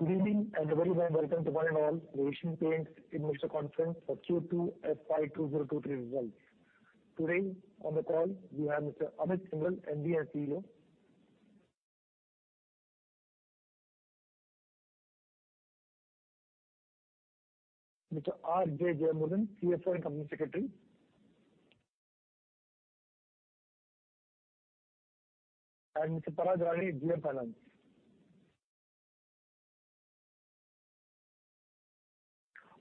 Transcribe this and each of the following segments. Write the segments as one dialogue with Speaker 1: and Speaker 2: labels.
Speaker 1: Good evening, and a very warm welcome to one and all to Asian Paints Investor Conference for Q2 FY 2023 results. Today on the call we have Mr. Amit Syngle, MD and CEO. Mr. R. J. Jeyamurugan, CFO and Company Secretary. Mr. Parag Rane, GM Finance.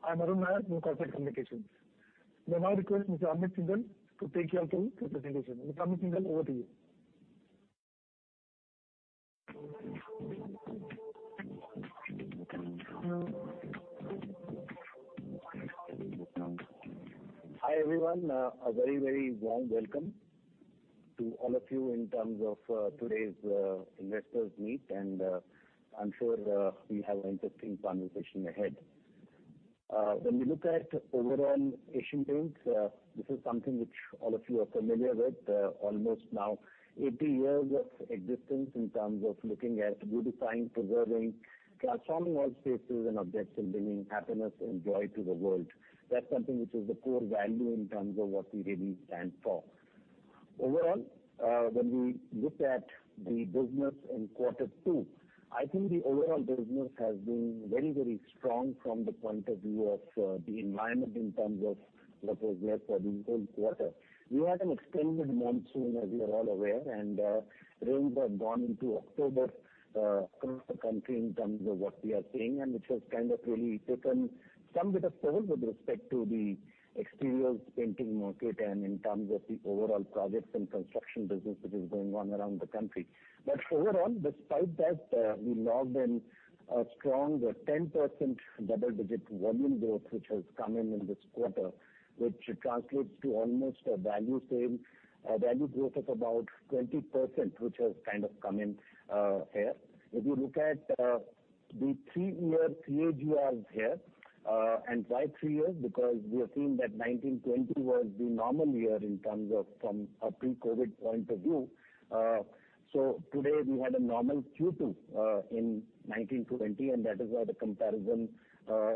Speaker 1: I'm Arun Nair from Corporate Communications. We now request Mr. Amit Syngle to take you all through the presentation. Mr. Amit Syngle, over to you.
Speaker 2: Hi, everyone. A very, very warm welcome to all of you in terms of today's investors' meet. I'm sure we have an interesting conversation ahead. When we look at overall Asian Paints, this is something which all of you are familiar with. Almost now 80 years of existence in terms of looking at beautifying, preserving, transforming all spaces and objects, and bringing happiness and joy to the world. That's something which is the core value in terms of what we really stand for. Overall, when we look at the business in quarter two, I think the overall business has been very, very strong from the point of view of the environment in terms of what was there for the whole quarter. We had an extended monsoon, as you're all aware, and rains have gone into October across the country in terms of what we are seeing, and which has kind of really taken somewhat of a toll with respect to the exterior painting market and in terms of the overall projects and construction business that is going on around the country. Overall, despite that, we logged in a strong 10% double-digit volume growth, which has come in this quarter, which translates to almost a value sales growth of about 20%, which has kind of come in here. If you look at the three-year CAGRs here, and why three years? Because we have seen that 2019-20 was the normal year in terms of from a pre-COVID point of view. Today we had a normal Q2 in 2020, and that is why the comparison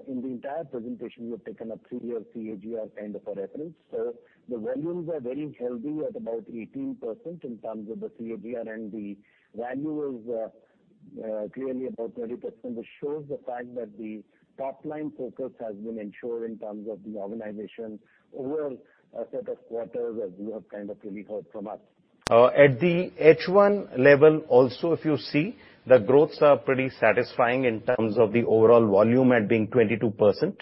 Speaker 2: in the entire presentation, we have taken a three-year CAGR kind of a reference. The volumes are very healthy at about 18% in terms of the CAGR and the value is clearly about 20%, which shows the fact that the top line focus has been ensured in terms of the organization overall set of quarters as you have kind of really heard from us. At the H1 level also, if you see, the growths are pretty satisfying in terms of the overall volume at being 22%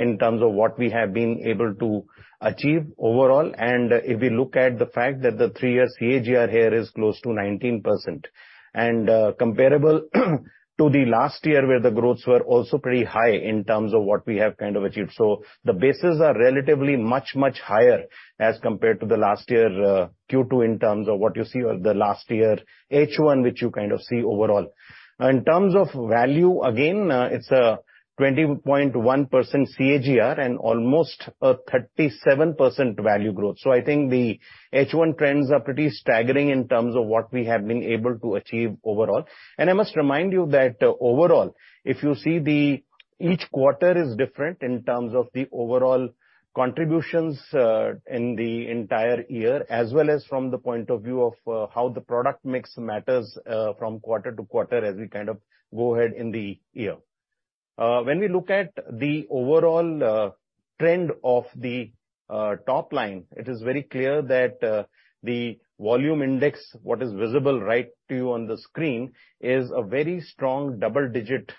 Speaker 2: in terms of what we have been able to achieve overall. If we look at the fact that the three-year CAGR here is close to 19%. Comparable to the last year, where the growths were also pretty high in terms of what we have kind of achieved. The bases are relatively much higher as compared to the last year Q2 in terms of what you see or the last year H1, which you kind of see overall. In terms of value, again, it's a 20.1% CAGR and almost a 37% value growth. I think the H1 trends are pretty staggering in terms of what we have been able to achieve overall. I must remind you that overall, if you see the, each quarter is different in terms of the overall contributions, in the entire year, as well as from the point of view of, how the product mix matters, from quarter to quarter as we kind of go ahead in the year. When we look at the overall, trend of the, top line, it is very clear that, the volume index, what is visible right to you on the screen, is a very strong double-digit,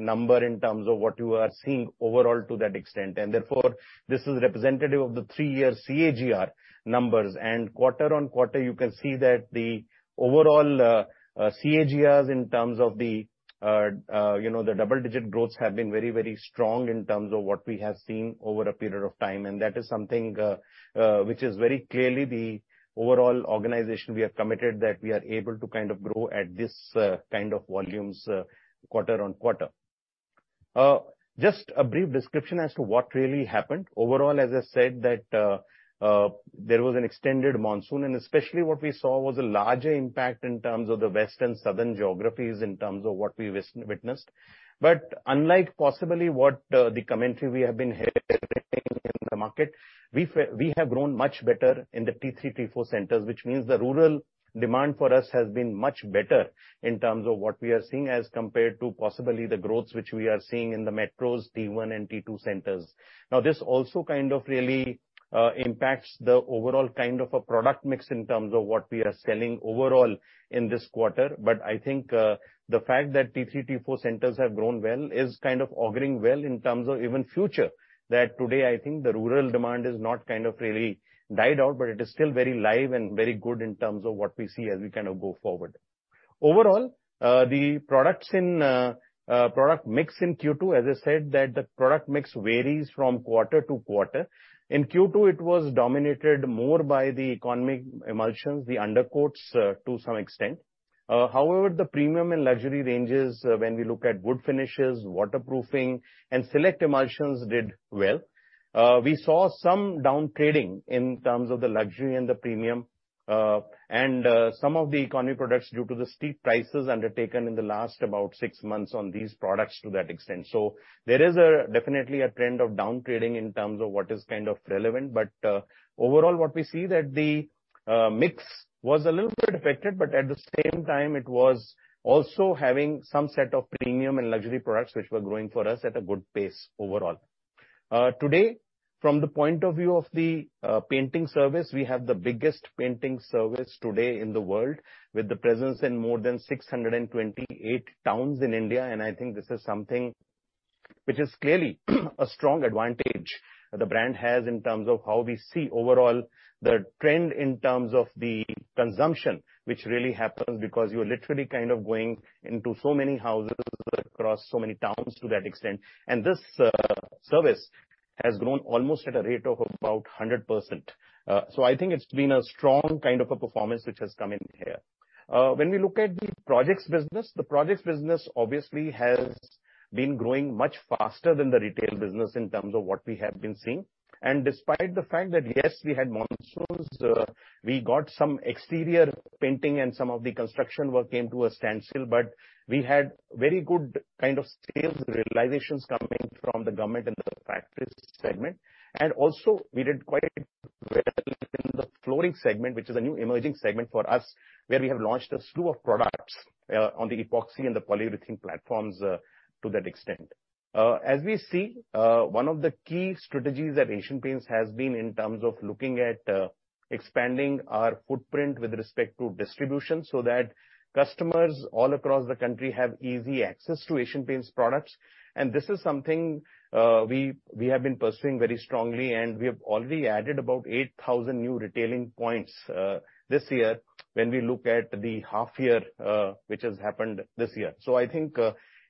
Speaker 2: number in terms of what you are seeing overall to that extent. Therefore, this is representative of the three-year CAGR numbers. Quarter-over-quarter, you can see that the overall CAGRs in terms of the, you know, the double-digit growths have been very, very strong in terms of what we have seen over a period of time. That is something which is very clearly the overall organization we are committed that we are able to kind of grow at this kind of volumes quarter-over-quarter. Just a brief description as to what really happened. Overall, as I said, that there was an extended monsoon, and especially what we saw was a larger impact in terms of the west and southern geographies in terms of what we witnessed. Unlike possibly what, the commentary we have been hearing in the market, we have grown much better in the T-three, T-four centers, which means the rural demand for us has been much better in terms of what we are seeing as compared to possibly the growth which we are seeing in the metros, T-one and T-two centers. Now, this also kind of really, impacts the overall kind of a product mix in terms of what we are selling overall in this quarter. I think, the fact that T-three, T-four centers have grown well is kind of auguring well in terms of even future, that today, I think the rural demand is not kind of really died out, but it is still very live and very good in terms of what we see as we kind of go forward. Overall, the product mix in Q2, as I said, that the product mix varies from quarter to quarter. In Q2, it was dominated more by the economy emulsions, the undercoats, to some extent. However, the premium and luxury ranges, when we look at wood finishes, waterproofing, and select emulsions did well. We saw some down trading in terms of the luxury and the premium and some of the economy products, due to the steep prices undertaken in the last about six months on these products to that extent. There is definitely a trend of downgrading in terms of what is kind of relevant. Overall what we see that the mix was a little bit affected, but at the same time it was also having some set of premium and luxury products which were growing for us at a good pace overall. Today, from the point of view of the painting service, we have the biggest painting service today in the world, with a presence in more than 628 towns in India. I think this is something which is clearly a strong advantage the brand has in terms of how we see overall the trend in terms of the consumption, which really happens because you're literally kind of going into so many houses across so many towns to that extent. This service has grown almost at a rate of about 100%. I think it's been a strong kind of a performance which has come in here. When we look at the projects business, the projects business obviously has been growing much faster than the retail business in terms of what we have been seeing. Despite the fact that, yes, we had monsoons, we got some exterior painting and some of the construction work came to a standstill, but we had very good kind of sales realizations coming from the government and the factories segment. Also, we did quite well in the flooring segment, which is a new emerging segment for us, where we have launched a slew of products on the epoxy and the polyurethane platforms to that extent. As we see, one of the key strategies at Asian Paints has been in terms of looking at expanding our footprint with respect to distribution so that customers all across the country have easy access to Asian Paints products. This is something we have been pursuing very strongly, and we have already added about 8,000 new retailing points this year when we look at the half year, which has happened this year. I think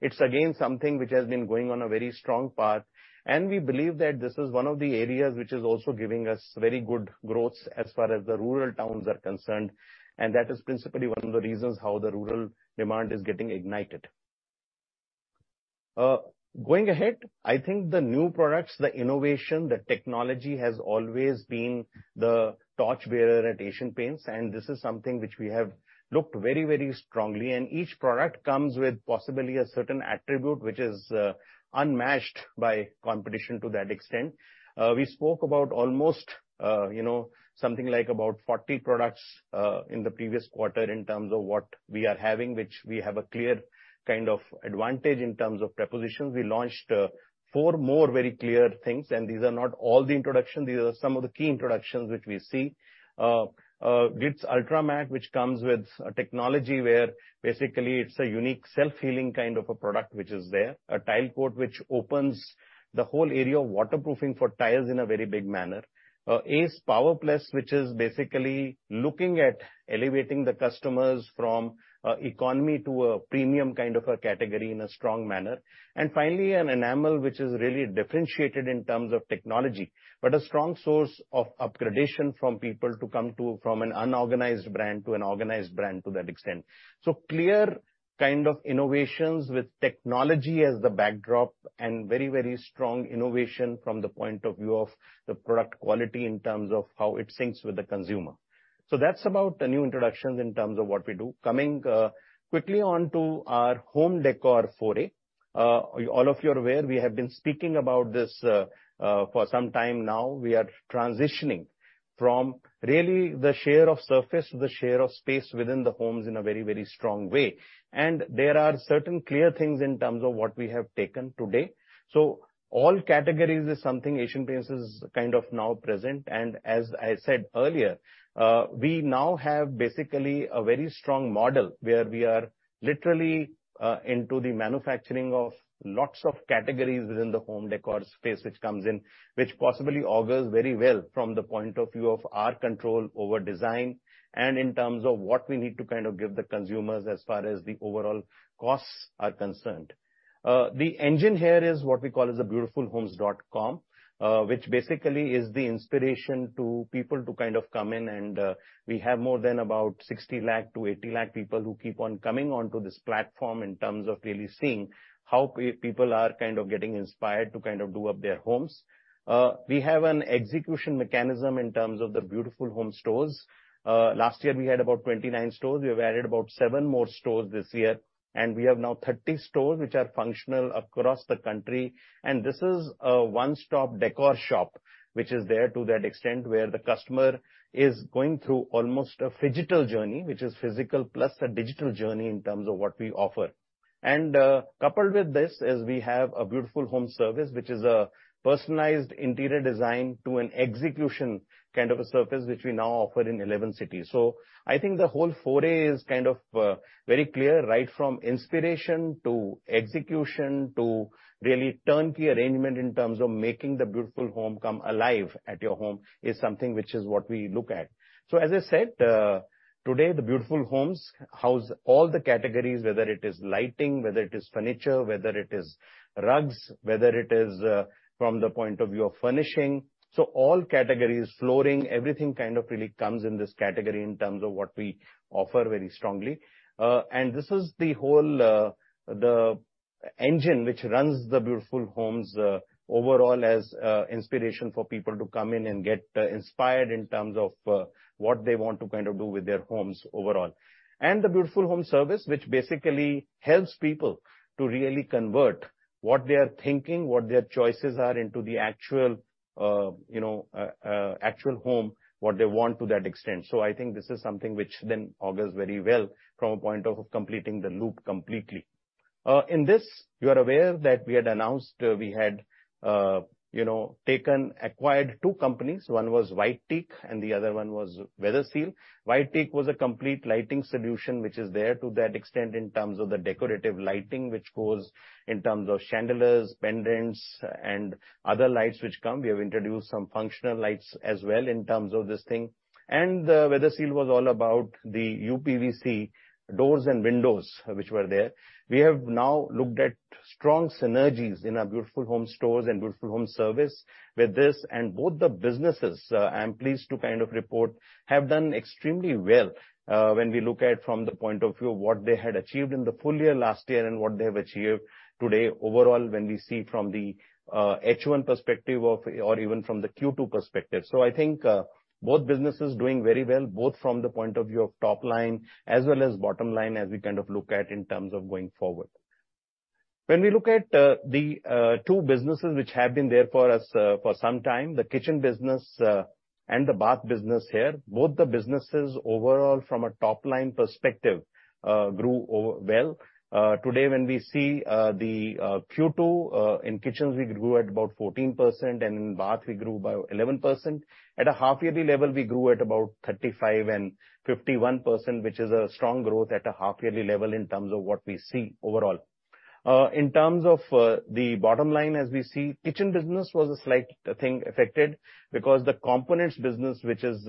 Speaker 2: it's again something which has been going on a very strong path, and we believe that this is one of the areas which is also giving us very good growth as far as the rural towns are concerned, and that is principally one of the reasons how the rural demand is getting ignited. Going ahead, I think the new products, the innovation, the technology has always been the torchbearer at Asian Paints, and this is something which we have looked very, very strongly. Each product comes with possibly a certain attribute which is unmatched by competition to that extent. We spoke about almost, you know, something like about 40 products in the previous quarter in terms of what we are having, which we have a clear kind of advantage in terms of propositions. We launched four more very clear things, and these are not all the introductions. These are some of the key introductions which we see. Royale Glitz Ultra Matt, which comes with a technology where basically it's a unique self-healing kind of a product which is there. SmartCare Tile Coat, which opens the whole area of waterproofing for tiles in a very big manner. Ace Power+, which is basically looking at elevating the customers from economy to a premium kind of a category in a strong manner. Finally, an enamel which is really differentiated in terms of technology, but a strong source of upgradation from people to come to from an unorganized brand to an organized brand to that extent. Clear kind of innovations with technology as the backdrop and very, very strong innovation from the point of view of the product quality in terms of how it syncs with the consumer. That's about the new introductions in terms of what we do. Coming quickly on to our home decor foray. All of you are aware, we have been speaking about this for some time now. We are transitioning from really the share of surface to the share of space within the homes in a very, very strong way. There are certain clear things in terms of what we have taken today. All categories is something Asian Paints is kind of now present. As I said earlier, we now have basically a very strong model where we are literally into the manufacturing of lots of categories within the home decor space, which comes in, which possibly augurs very well from the point of view of our control over design and in terms of what we need to kind of give the consumers as far as the overall costs are concerned. The engine here is what we call as a BeautifulHomes.com, which basically is the inspiration to people to kind of come in and, we have more than about 60 lakh to 80 lakh people who keep on coming onto this platform in terms of really seeing how people are kind of getting inspired to kind of do up their homes. We have an execution mechanism in terms of the Beautiful Homes stores. Last year we had about 29 stores. We have added about 7 more stores this year, and we have now 30 stores which are functional across the country. This is a one-stop decor shop which is there to that extent, where the customer is going through almost a phygital journey, which is physical plus a digital journey in terms of what we offer. Coupled with this is we have a Beautiful Homes service, which is a personalized interior design to an execution kind of a service, which we now offer in 11 cities. I think the whole foray is kind of very clear, right from inspiration to execution to really turnkey arrangement in terms of making the beautiful home come alive at your home is something which is what we look at. As I said, today, the Beautiful Homes houses all the categories, whether it is lighting, whether it is furniture, whether it is rugs, whether it is from the point of view of furnishing. All categories, flooring, everything kind of really comes in this category in terms of what we offer very strongly. This is the whole, the engine which runs the Beautiful Homes overall as inspiration for people to come in and get inspired in terms of what they want to kind of do with their homes overall. The Beautiful Homes Service, which basically helps people to really convert what they are thinking, what their choices are into the actual, you know, actual home, what they want to that extent. I think this is something which then augurs very well from a point of completing the loop completely. In this, you are aware that we had announced, you know, acquired two companies. One was White Teak and the other one was Weatherseal. White Teak was a complete lighting solution which is there to that extent in terms of the decorative lighting, which goes in terms of chandeliers, pendants and other lights which come. We have introduced some functional lights as well in terms of this thing. Weatherseal was all about the UPVC doors and windows which were there. We have now looked at strong synergies in our Beautiful Homes stores and Beautiful Homes service with this and both the businesses, I am pleased to kind of report, have done extremely well, when we look at from the point of view of what they had achieved in the full year last year and what they have achieved today overall, when we see from the H1 perspective, or even from the Q2 perspective. I think both businesses doing very well, both from the point of view of top line as well as bottom line as we kind of look at in terms of going forward. When we look at the two businesses which have been there for us for some time, the kitchen business and the bath business here, both the businesses overall from a top line perspective grew overall. Today, when we see the Q2 in kitchens, we grew at about 14% and in bath we grew by 11%. At a half yearly level, we grew at about 35 and 51%, which is a strong growth at a half yearly level in terms of what we see overall. In terms of the bottom line, as we see, the kitchen business was slightly, I think, affected because the components business, which is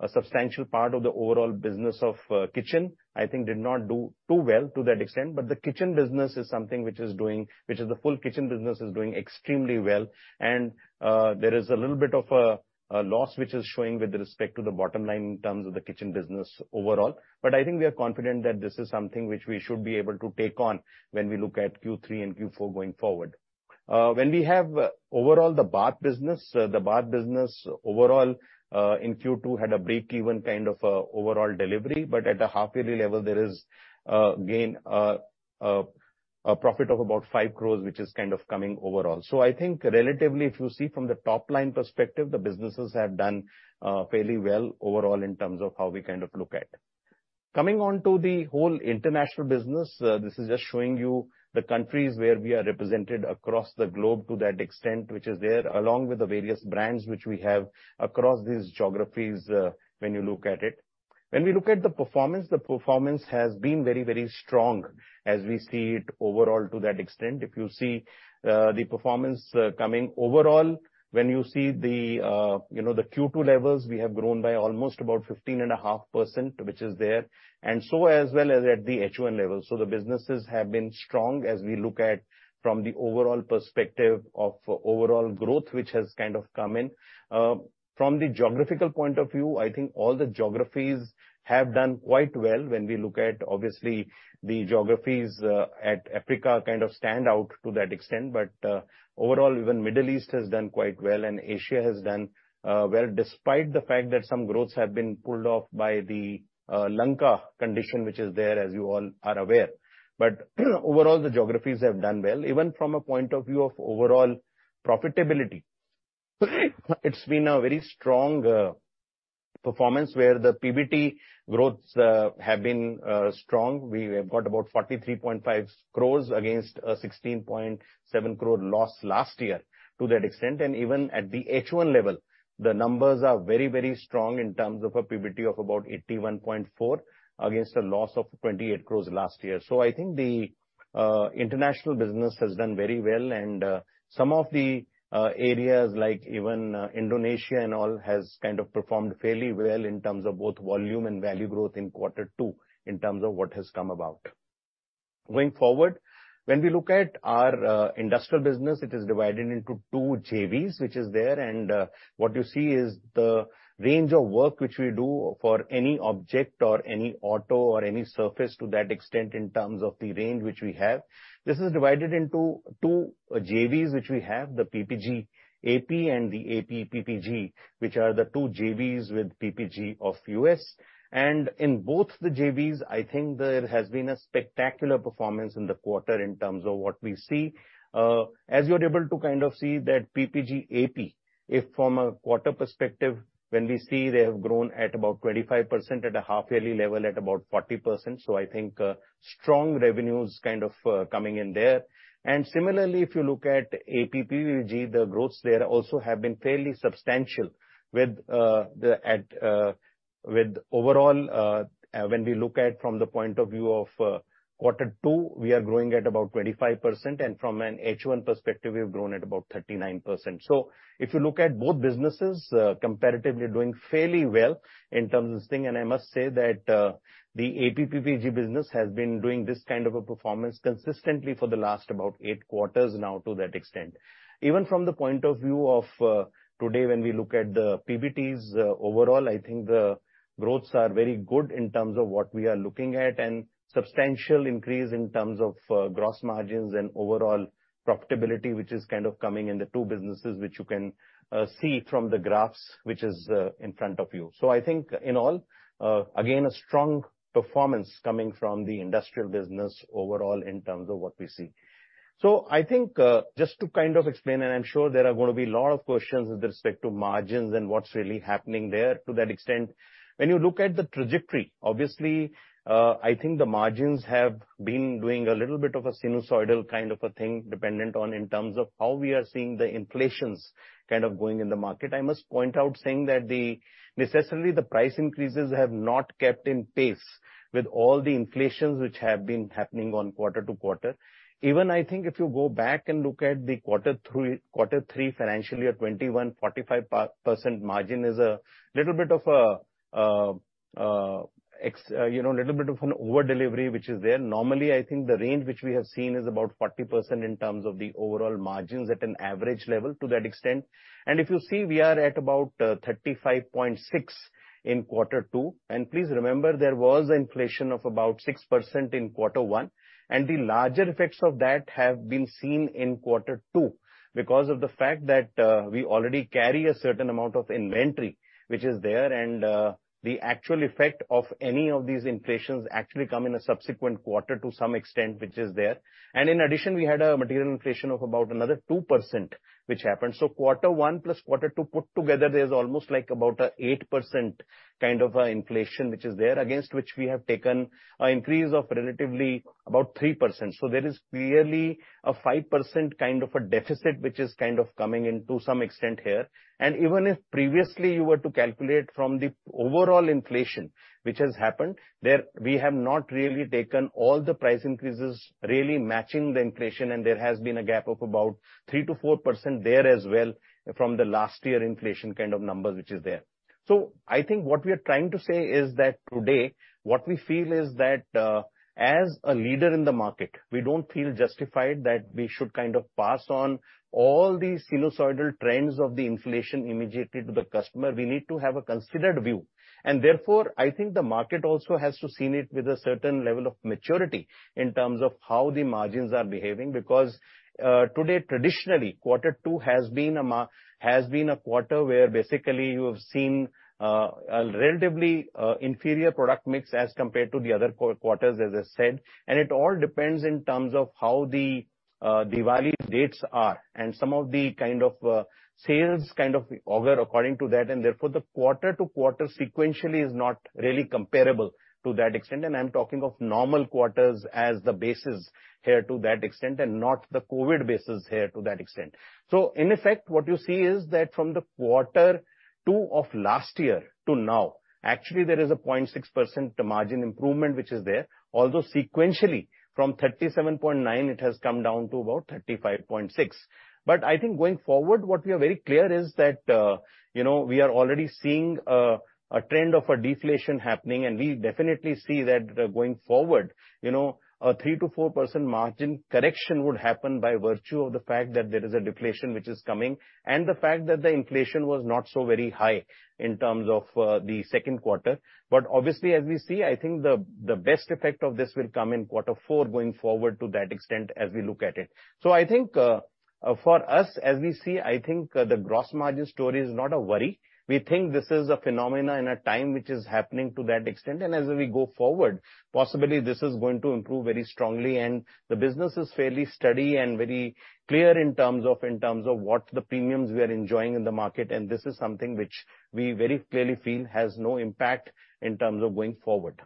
Speaker 2: a substantial part of the overall business of kitchen, I think did not do too well to that extent. The kitchen business is something which the full kitchen business is doing extremely well. There is a little bit of a loss which is showing with respect to the bottom line in terms of the kitchen business overall. I think we are confident that this is something which we should be able to take on when we look at Q3 and Q4 going forward. When we have overall the bath business, the bath business overall, in Q2, had a breakeven kind of overall delivery, but at a half yearly level there is again a profit of about 5 crore, which is kind of coming overall. I think relatively, if you see from the top line perspective, the businesses have done fairly well overall in terms of how we kind of look at. Coming on to the whole international business, this is just showing you the countries where we are represented across the globe to that extent which is there, along with the various brands which we have across these geographies when you look at it. When we look at the performance, the performance has been very, very strong as we see it overall to that extent. If you see, the performance, coming overall, when you see the, you know, the Q2 levels, we have grown by almost about 15.5%, which is there, and so as well as at the H1 level. The businesses have been strong as we look at from the overall perspective of overall growth, which has kind of come in. From the geographical point of view, I think all the geographies have done quite well when we look at obviously the geographies, at Africa kind of stand out to that extent. Overall, even Middle East has done quite well and Asia has done, well, despite the fact that some growths have been pulled off by the, Lanka condition, which is there, as you all are aware. Overall, the geographies have done well, even from a point of view of overall profitability. It's been a very strong performance where the PBT growths have been strong. We have got about 43.5 crores against a 16.7 crore loss last year to that extent. Even at the H1 level, the numbers are very, very strong in terms of a PBT of about 81.4 crore against a loss of 28 crores last year. I think the international business has done very well. Some of the areas like even Indonesia and all has kind of performed fairly well in terms of both volume and value growth in quarter two in terms of what has come about. Going forward, when we look at our industrial business, it is divided into 2 JVs, which is there. What you see is the range of work which we do for any object or any auto or any surface to that extent in terms of the range which we have. This is divided into two JVs, which we have, the PPG AP and the AP PPG, which are the two JVs with PPG of U.S. In both the JVs, I think there has been a spectacular performance in the quarter in terms of what we see. As you're able to kind of see that PPG AP, if from a quarter perspective, when we see they have grown at about 25%, at a half yearly level at about 40%. I think strong revenues kind of coming in there. Similarly, if you look at AP PPG, the growths there also have been fairly substantial with the overall, when we look at from the point of view of quarter two, we are growing at about 25% and from an H1 perspective, we have grown at about 39%. If you look at both businesses, comparatively doing fairly well in terms of this thing, and I must say that the AP PPG business has been doing this kind of a performance consistently for the last about 8 quarters now to that extent. Even from the point of view of today when we look at the PBTs overall, I think the growths are very good in terms of what we are looking at and substantial increase in terms of gross margins and overall profitability, which is kind of coming in the two businesses, which you can see from the graphs, which is in front of you. I think in all, again, a strong performance coming from the industrial business overall in terms of what we see. I think just to kind of explain, and I'm sure there are gonna be a lot of questions with respect to margins and what's really happening there to that extent. When you look at the trajectory, obviously, I think the margins have been doing a little bit of a sinusoidal kind of a thing, dependent on in terms of how we are seeing the inflation kind of going in the market. I must point out that necessarily the price increases have not kept in pace with all the inflation which has been happening on quarter-over-quarter. Even I think if you go back and look at Q3 FY21 21.45% margin is a little bit of a, you know, a little bit of an over delivery which is there. Normally, I think the range which we have seen is about 40% in terms of the overall margins at an average level to that extent. If you see, we are at about 35.6% in quarter two. Please remember, there was inflation of about 6% in quarter one, and the larger effects of that have been seen in quarter two because of the fact that we already carry a certain amount of inventory which is there. The actual effect of any of these inflations actually come in a subsequent quarter to some extent which is there. In addition, we had a material inflation of about another 2% which happened. Quarter one plus quarter two put together, there's almost like about 8% kind of inflation which is there against which we have taken an increase of relatively about 3%. There is clearly a 5% kind of a deficit which is kind of coming in to some extent here. Even if previously you were to calculate from the overall inflation which has happened, there we have not really taken all the price increases really matching the inflation. There has been a gap of about 3%-4% there as well from the last year inflation kind of numbers which is there. I think what we are trying to say is that today, what we feel is that, as a leader in the market, we don't feel justified that we should kind of pass on all these sinusoidal trends of the inflation immediately to the customer. We need to have a considered view. Therefore, I think the market also has to see it with a certain level of maturity in terms of how the margins are behaving, because today, traditionally, quarter two has been a quarter where basically you have seen a relatively inferior product mix as compared to the other quarters, as I said. It all depends in terms of how the Diwali dates are and some of the kind of sales kind of occur according to that. Therefore, the quarter-to-quarter sequentially is not really comparable to that extent. I'm talking of normal quarters as the basis here to that extent and not the COVID basis here to that extent. In effect, what you see is that from the quarter two of last year to now, actually there is a 0.6% margin improvement which is there, although sequentially from 37.9% it has come down to about 35.6%. I think going forward, what we are very clear is that, you know, we are already seeing a trend of a deflation happening, and we definitely see that going forward. You know, a 3%-4% margin correction would happen by virtue of the fact that there is a deflation which is coming and the fact that the inflation was not so very high in terms of the Q2. Obviously, as we see, I think the best effect of this will come in quarter four going forward to that extent as we look at it. I think, for us, as we see, I think the gross margin story is not a worry. We think this is a phenomenon in a time which is happening to that extent. As we go forward, possibly this is going to improve very strongly and the business is fairly steady and very clear in terms of what the premiums we are enjoying in the market. This is something which we very clearly feel has no impact in terms of going forward.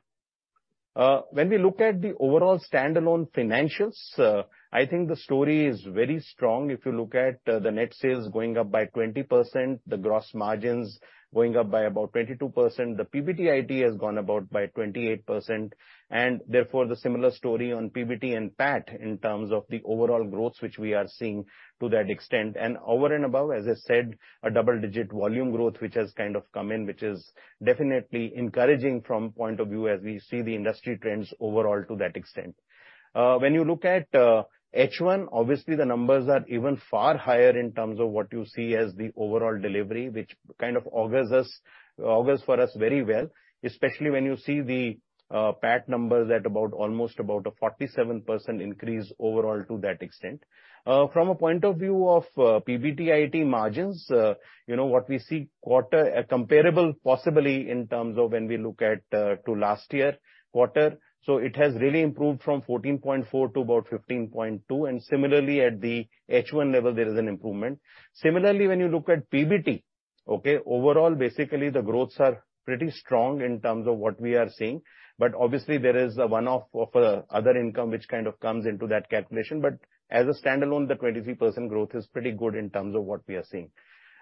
Speaker 2: When we look at the overall standalone financials, I think the story is very strong. If you look at the net sales going up by 20%, the gross margins going up by about 22%, the PBTID has gone up by about 28%. Therefore, the similar story on PBT and PAT in terms of the overall growth which we are seeing to that extent. Over and above, as I said, a double-digit volume growth which has kind of come in, which is definitely encouraging from point of view as we see the industry trends overall to that extent. When you look at H1, obviously the numbers are even far higher in terms of what you see as the overall delivery, which kind of augurs well for us very well, especially when you see the PAT numbers at about a 47% increase overall to that extent. From a point of view of PBTID margins, you know, what we see quarter comparable possibly in terms of when we look at to last year quarter. It has really improved from 14.4 to about 15.2. Similarly at the H1 level, there is an improvement. Similarly, when you look at PBT, okay, overall basically the growths are pretty strong in terms of what we are seeing. Obviously there is a one-off of other income which kind of comes into that calculation. As a standalone, the 23% growth is pretty good in terms of what we are seeing.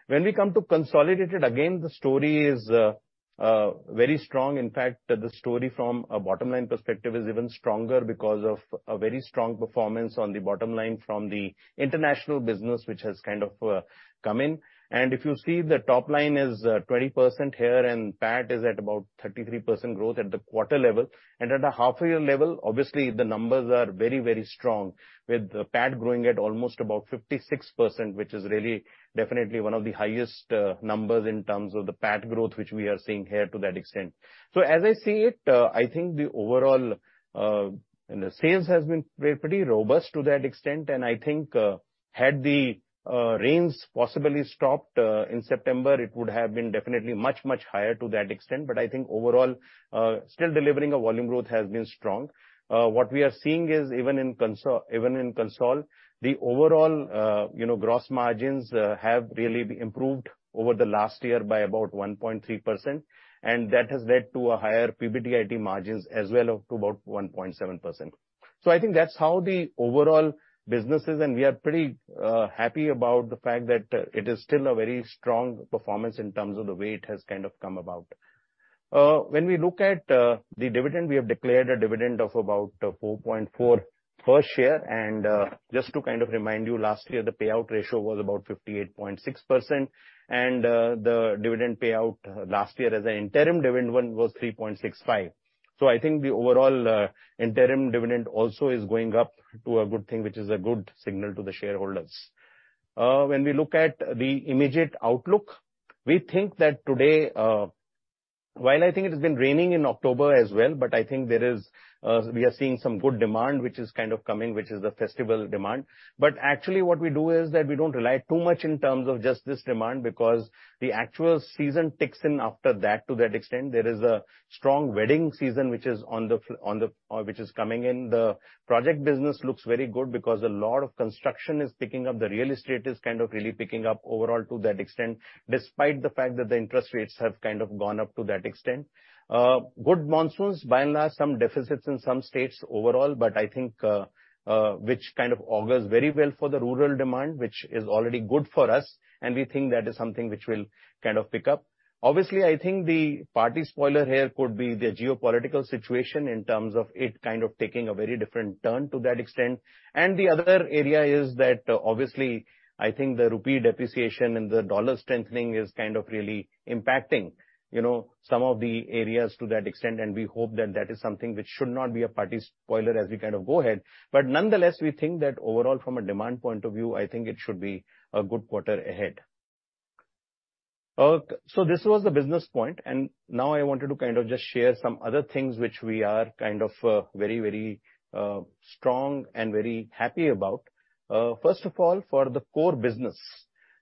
Speaker 2: When we come to consolidated, again, the story is very strong. In fact, the story from a bottom-line perspective is even stronger because of a very strong performance on the bottom line from the international business, which has kind of come in. If you see the top line is 20% here, and PAT is at about 33% growth at the quarter level. At the half year level, obviously, the numbers are very, very strong, with PAT growing at almost about 56%, which is really definitely one of the highest numbers in terms of the PAT growth, which we are seeing here to that extent. As I see it, I think the overall sales has been pretty robust to that extent, and I think, had the rains possibly stopped in September, it would have been definitely much, much higher to that extent. I think overall, still delivering a volume growth has been strong. What we are seeing is even in consolidated, the overall, you know, gross margins have really improved over the last year by about 1.3%, and that has led to a higher PBTID margins as well, up to about 1.7%. I think that's how the overall business is, and we are pretty happy about the fact that it is still a very strong performance in terms of the way it has kind of come about. When we look at the dividend, we have declared a dividend of about 4.4 per share. Just to kind of remind you, last year, the payout ratio was about 58.6%, and the dividend payout last year as an interim dividend one was 3.65. I think the overall, interim dividend also is going up to a good thing, which is a good signal to the shareholders. When we look at the immediate outlook, we think that today, while I think it has been raining in October as well, but I think there is, we are seeing some good demand, which is kind of coming, which is the festival demand. Actually what we do is that we don't rely too much in terms of just this demand because the actual season kicks in after that, to that extent. There is a strong wedding season which is coming in. The project business looks very good because a lot of construction is picking up. The real estate is kind of really picking up overall to that extent, despite the fact that the interest rates have kind of gone up to that extent. Good monsoons, by and large, some deficits in some states overall, but I think which kind of augurs very well for the rural demand, which is already good for us, and we think that is something which will kind of pick up. Obviously, I think the party spoiler here could be the geopolitical situation in terms of it kind of taking a very different turn to that extent. The other area is that, obviously, I think the rupee depreciation and the dollar strengthening is kind of really impacting, you know, some of the areas to that extent. We hope that that is something which should not be a party spoiler as we kind of go ahead. Nonetheless, we think that overall, from a demand point of view, I think it should be a good quarter ahead. This was the business point, and now I wanted to kind of just share some other things which we are kind of very strong and very happy about. First of all, for the core business.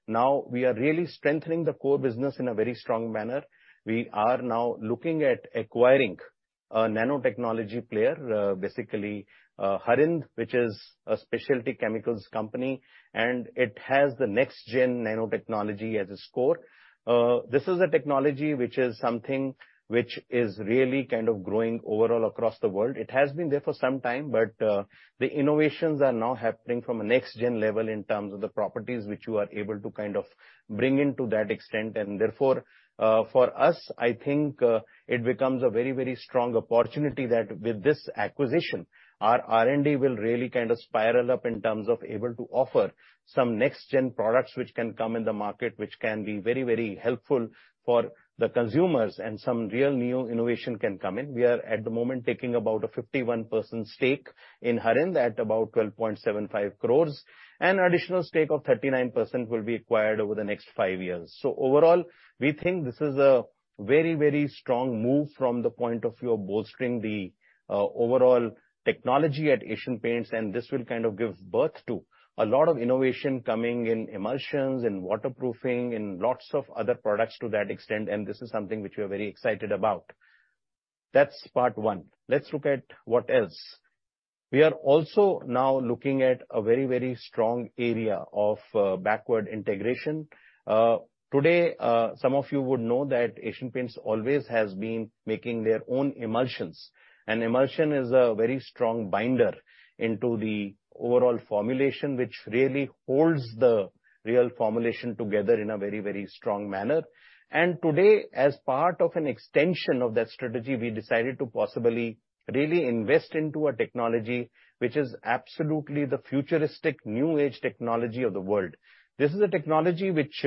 Speaker 2: Now, we are really strengthening the core business in a very strong manner. We are now looking at acquiring a nanotechnology player, basically, Harind, which is a specialty chemicals company, and it has the next gen nanotechnology as its core. This is a technology which is something which is really kind of growing overall across the world. It has been there for some time, but the innovations are now happening from a next gen level in terms of the properties which you are able to kind of bring in to that extent. Therefore, for us, I think it becomes a very, very strong opportunity that with this acquisition, our R&D will really kind of spiral up in terms of able to offer some next gen products which can come in the market, which can be very, very helpful for the consumers and some real new innovation can come in. We are at the moment taking about a 51% stake in Harind at about 12.75 crore, and additional stake of 39% will be acquired over the next five years. Overall, we think this is a very, very strong move from the point of view of bolstering the overall technology at Asian Paints, and this will kind of give birth to a lot of innovation coming in emulsions and waterproofing and lots of other products to that extent, and this is something which we are very excited about. That's part one. Let's look at what else. We are also now looking at a very, very strong area of backward integration. Today, some of you would know that Asian Paints always has been making their own emulsions. An emulsion is a very strong binder into the overall formulation, which really holds the real formulation together in a very, very strong manner. Today, as part of an extension of that strategy, we decided to possibly really invest into a technology which is absolutely the futuristic new age technology of the world. This is a technology which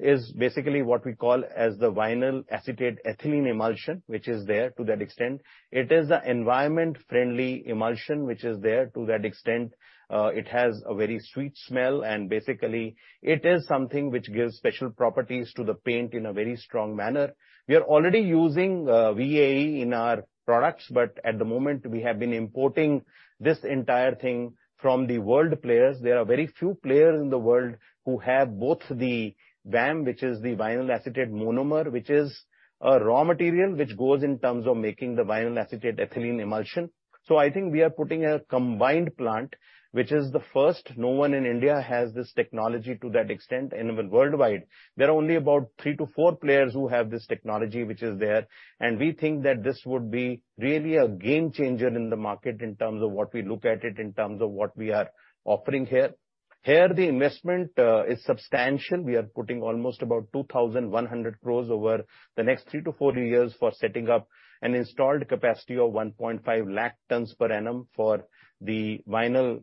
Speaker 2: is basically what we call as the Vinyl Acetate Ethylene emulsion, which is there to that extent. It is an environment-friendly emulsion, which is there to that extent. It has a very sweet smell, and basically it is something which gives special properties to the paint in a very strong manner. We are already using VAE in our products, but at the moment, we have been importing this entire thing from the world players. There are very few players in the world who have both the VAM, which is the Vinyl Acetate Monomer, which is a raw material which goes in terms of making the Vinyl Acetate Ethylene emulsion. I think we are putting a combined plant, which is the first. No one in India has this technology to that extent. Worldwide, there are only about three-four players who have this technology, which is there. We think that this would be really a game changer in the market in terms of what we look at it, in terms of what we are offering here. Here, the investment is substantial. We are putting almost about 2,100 crores over the next three-four years for setting up an installed capacity of 1.5 lakh tons per annum for the vinyl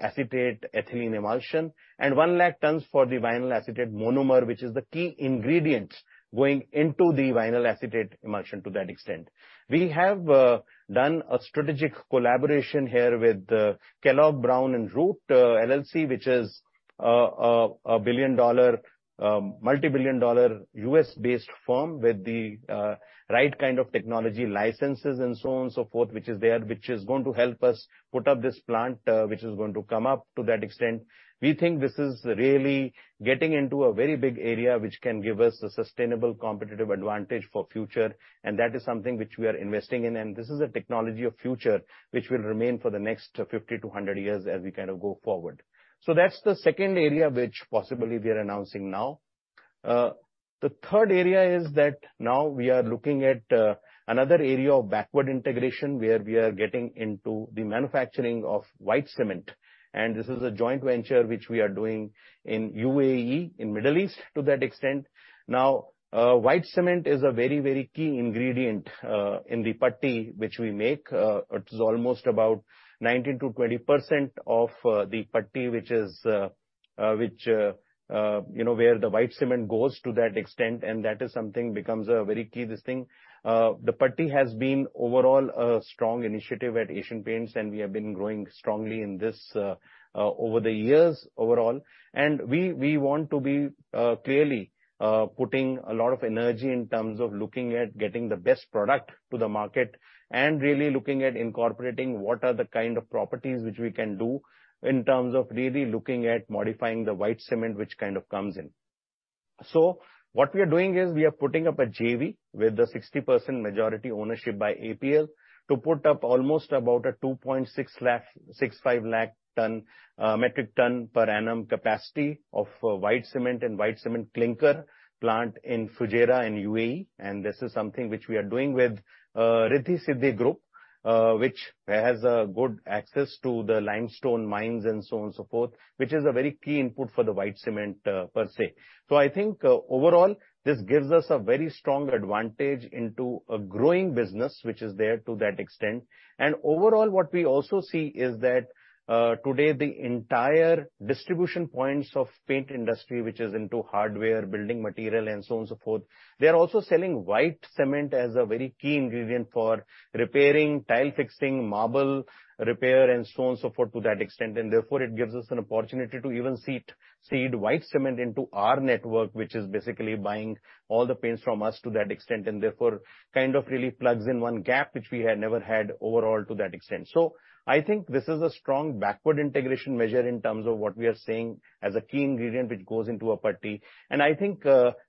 Speaker 2: acetate ethylene emulsion, and 1 lakh tons for the vinyl acetate monomer, which is the key ingredient going into the vinyl acetate emulsion to that extent. We have done a strategic collaboration here with Kellogg Brown & Root LLC, which is a billion-dollar, multi-billion-dollar U.S.-based firm with the right kind of technology licenses and so on and so forth, which is there, which is going to help us put up this plant, which is going to come up to that extent. We think this is really getting into a very big area, which can give us a sustainable competitive advantage for future, and that is something which we are investing in. This is a technology of future, which will remain for the next 50 to 100 years as we kind of go forward. That's the second area which possibly we are announcing now. The third area is that now we are looking at another area of backward integration where we are getting into the manufacturing of white cement. This is a joint venture which we are doing in UAE, in Middle East to that extent. Now, white cement is a very, very key ingredient in the putty which we make. It is almost about 19%-20% of the putty, which is, you know, where the white cement goes to that extent, and that is something becomes very key this thing. The putty has been overall a strong initiative at Asian Paints, and we have been growing strongly in this over the years overall. We want to be clearly putting a lot of energy in terms of looking at getting the best product to the market and really looking at incorporating what are the kind of properties which we can do in terms of really looking at modifying the white cement which kind of comes in. What we are doing is we are putting up a JV with a 60% majority ownership by APL to put up almost about a 2.65 lakh metric ton per annum capacity of white cement and white cement clinker plant in Fujairah in UAE. This is something which we are doing with Riddhi Siddhi Group, which has a good access to the limestone mines and so on and so forth, which is a very key input for the white cement per se. I think overall, this gives us a very strong advantage into a growing business, which is there to that extent. Overall, what we also see is that today, the entire distribution points of paint industry, which is into hardware, building material and so on and so forth, they are also selling white cement as a very key ingredient for repairing, tile fixing, marble repair and so on, so forth to that extent. Therefore, it gives us an opportunity to even seed white cement into our network, which is basically buying all the paints from us to that extent. Therefore kind of really plugs in one gap, which we had never had overall to that extent. I think this is a strong backward integration measure in terms of what we are seeing as a key ingredient which goes into a putty. I think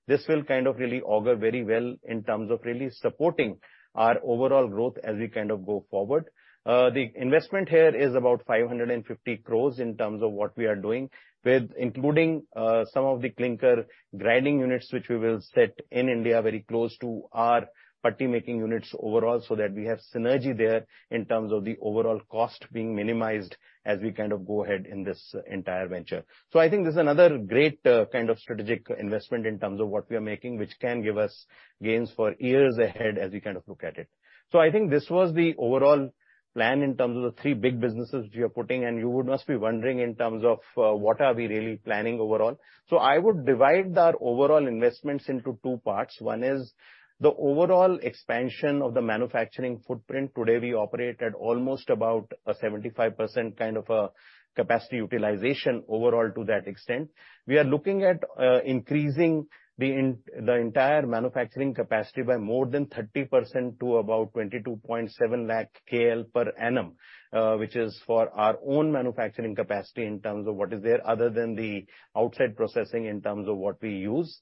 Speaker 2: this will kind of really augur very well in terms of really supporting our overall growth as we kind of go forward. The investment here is about 550 crore in terms of what we are doing, including some of the clinker grinding units, which we will set in India very close to our putty making units overall, so that we have synergy there in terms of the overall cost being minimized as we kind of go ahead in this entire venture. I think this is another great kind of strategic investment in terms of what we are making, which can give us gains for years ahead as we kind of look at it. I think this was the overall plan in terms of the three big businesses we are putting, and you must be wondering in terms of what are we really planning overall. I would divide our overall investments into two parts. One is the overall expansion of the manufacturing footprint. Today, we operate at almost about a 75% kind of a capacity utilization overall to that extent. We are looking at increasing the entire manufacturing capacity by more than 30% to about 22.7 lakh KL per annum, which is for our own manufacturing capacity in terms of what is there other than the outside processing in terms of what we use.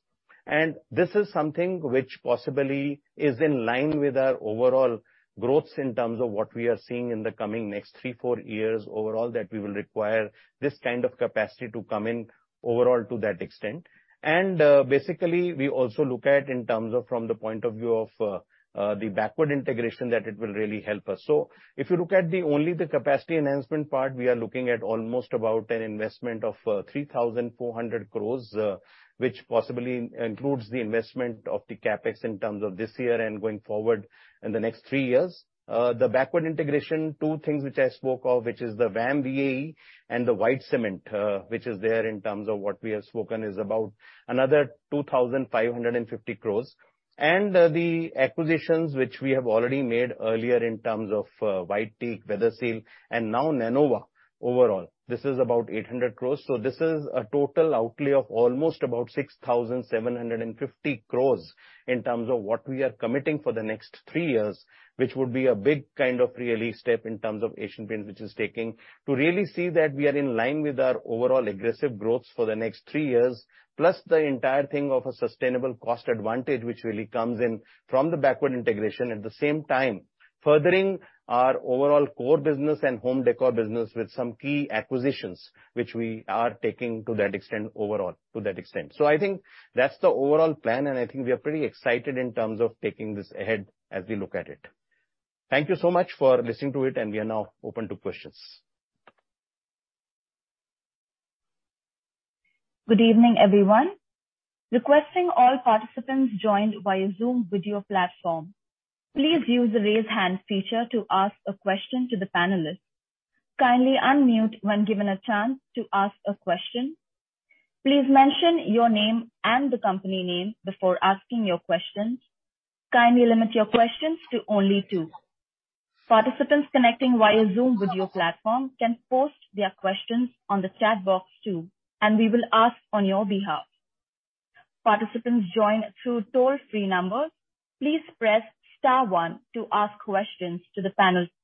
Speaker 2: This is something which possibly is in line with our overall growth in terms of what we are seeing in the coming next three-four years overall, that we will require this kind of capacity to come in overall to that extent. Basically, we also look at it from the point of view of the backward integration that it will really help us. If you look at only the capacity enhancement part, we are looking at almost about an investment of 3,400 crores, which possibly includes the investment of the CapEx in terms of this year and going forward in the next three years. The backward integration, two things which I spoke of, which is the VAM, VAE and the white cement, which is there in terms of what we have spoken, is about another 2,550 crores. The acquisitions which we have already made earlier in terms of, White Teak, Weatherseal, and now Harind overall. This is about 800 crores. This is a total outlay of almost about 6,750 crores in terms of what we are committing for the next three years, which would be a big kind of really step in terms of Asian Paints, which is taking to really see that we are in line with our overall aggressive growth for the next three years. Plus the entire thing of a sustainable cost advantage, which really comes in from the backward integration. At the same time, furthering our overall core business and home decor business with some key acquisitions, which we are taking to that extent overall to that extent. I think that's the overall plan, and I think we are pretty excited in terms of taking this ahead as we look at it. Thank you so much for listening to it, and we are now open to questions.
Speaker 3: Good evening, everyone. Requesting all participants joined via Zoom video platform, please use the Raise Hand feature to ask a question to the panelists. Kindly unmute when given a chance to ask a question. Please mention your name and the company name before asking your questions. Kindly limit your questions to only two. Participants connecting via Zoom video platform can post their questions on the chat box too, and we will ask on your behalf. Participants joined through toll-free number, please press star one to ask questions to the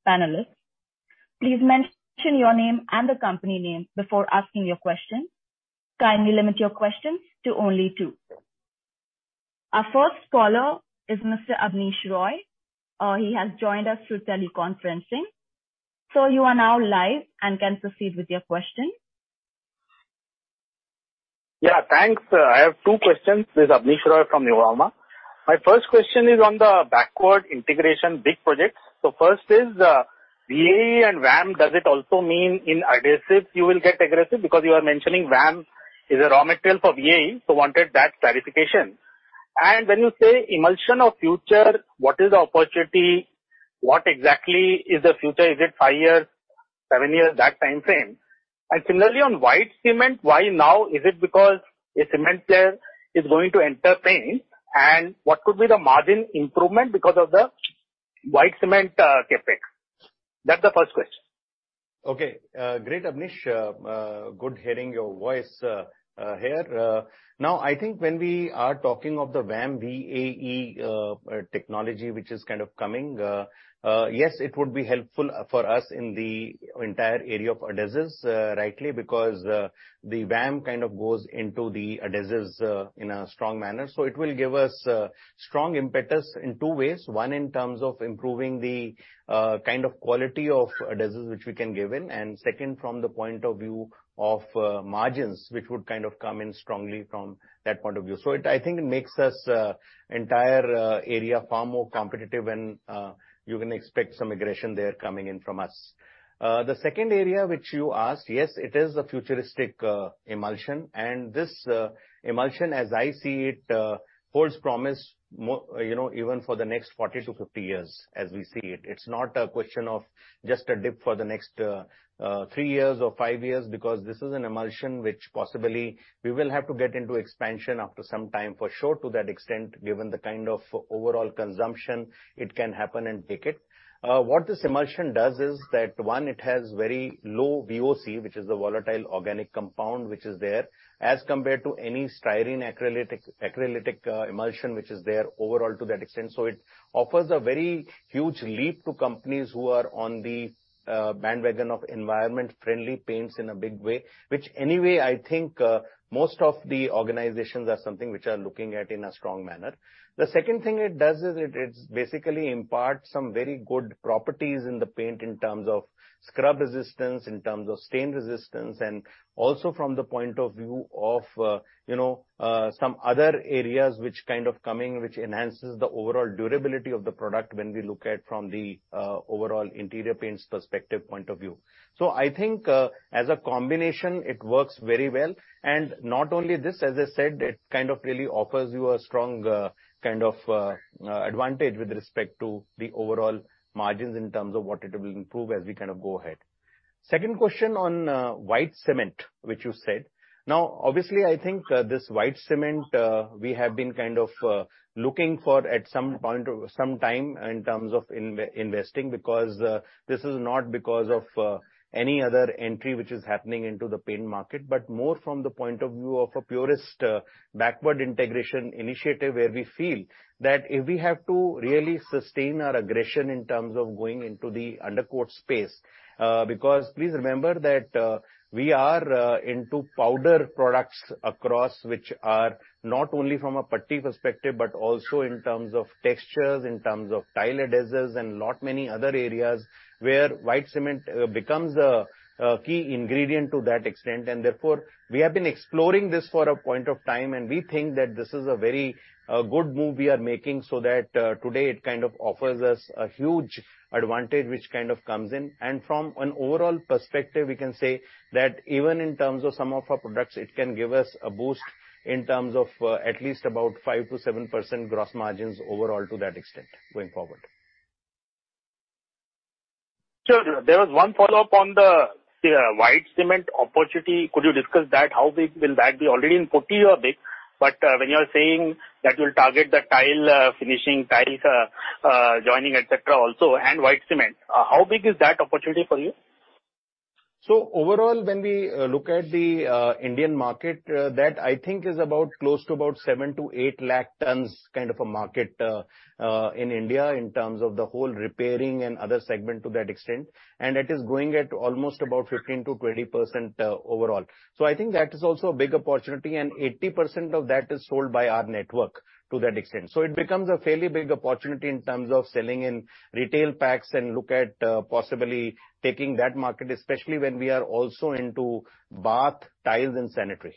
Speaker 3: panelists. Please mention your name and the company name before asking your question. Kindly limit your questions to only two. Our first caller is Mr. Abneesh Roy. He has joined us through teleconferencing. You are now live and can proceed with your question.
Speaker 4: Yeah. Thanks. I have two questions. This is Abneesh Roy from Nuvama. My first question is on the backward integration big projects. So first is, VAE and VAM, does it also mean in adhesives you will get aggressive? Because you are mentioning VAM is a raw material for VAE, so wanted that clarification. And when you say emulsion of future, what is the opportunity? What exactly is the future? Is it five years, seven years, that timeframe? And similarly, on white cement, why now? Is it because a cement player is going to enter paint? And what could be the margin improvement because of the white cement, CapEx? That's the first question.
Speaker 2: Okay. Great, Abneesh. Good hearing your voice here. Now, I think when we are talking of the VAM/VAE technology, which is kind of coming, yes, it would be helpful for us in the entire area of adhesives, rightly because the VAM kind of goes into the adhesives in a strong manner. It will give us strong impetus in two ways. One, in terms of improving the kind of quality of adhesives which we can give in. And second, from the point of view of margins, which would kind of come in strongly from that point of view. It, I think it makes us entire area far more competitive and you can expect some aggression there coming in from us. The second area which you asked, yes, it is a futuristic emulsion, and this emulsion, as I see it, holds promise you know, even for the next 40-50 years, as we see it. It's not a question of just a dip for the next 3 years or 5 years, because this is an emulsion which possibly we will have to get into expansion after some time, for sure, to that extent, given the kind of overall consumption it can happen and take it. What this emulsion does is that, one, it has very low VOC, which is the volatile organic compound which is there, as compared to any styrene acrylic emulsion which is there overall to that extent. It offers a very huge leap to companies who are on the bandwagon of environment-friendly paints in a big way, which anyway, I think, most of the organizations are something which are looking at in a strong manner. The second thing it does is it basically imparts some very good properties in the paint in terms of scrub resistance, in terms of stain resistance, and also from the point of view of, you know, some other areas which kind of coming, which enhances the overall durability of the product when we look at from the overall interior paints perspective point of view. I think, as a combination, it works very well. Not only this, as I said, it kind of really offers you a strong, kind of, advantage with respect to the overall margins in terms of what it will improve as we kind of go ahead. Second question on white cement, which you said. Now, obviously, I think, this white cement, we have been kind of looking for at some point or some time in terms of investing, because this is not because of any other entry which is happening into the paint market, but more from the point of view of a purist, backward integration initiative where we feel that if we have to really sustain our aggression in terms of going into the undercoat space. Because please remember that we are into powder products across, which are not only from a putty perspective, but also in terms of textures, in terms of tile adhesives and lot many other areas, where white cement becomes a key ingredient to that extent. Therefore, we have been exploring this for quite some time, and we think that this is a very good move we are making so that today it kind of offers us a huge advantage which kind of comes in. From an overall perspective, we can say that even in terms of some of our products, it can give us a boost in terms of at least about 5%-7% gross margins overall to that extent going forward.
Speaker 4: Sure. There was one follow-up on the white cement opportunity. Could you discuss that? How big will that be? Already we put it a bit, but when you are saying that you'll target the tile finishing, joining, et cetera, also and white cement. How big is that opportunity for you?
Speaker 2: Overall, when we look at the Indian market, that I think is about close to about 7-8 lakh tons kind of a market in India in terms of the whole repairing and other segment to that extent. It is growing at almost about 15%-20% overall. I think that is also a big opportunity, and 80% of that is sold by our network to that extent. It becomes a fairly big opportunity in terms of selling in retail packs and look at possibly taking that market, especially when we are also into bath tiles and sanitary.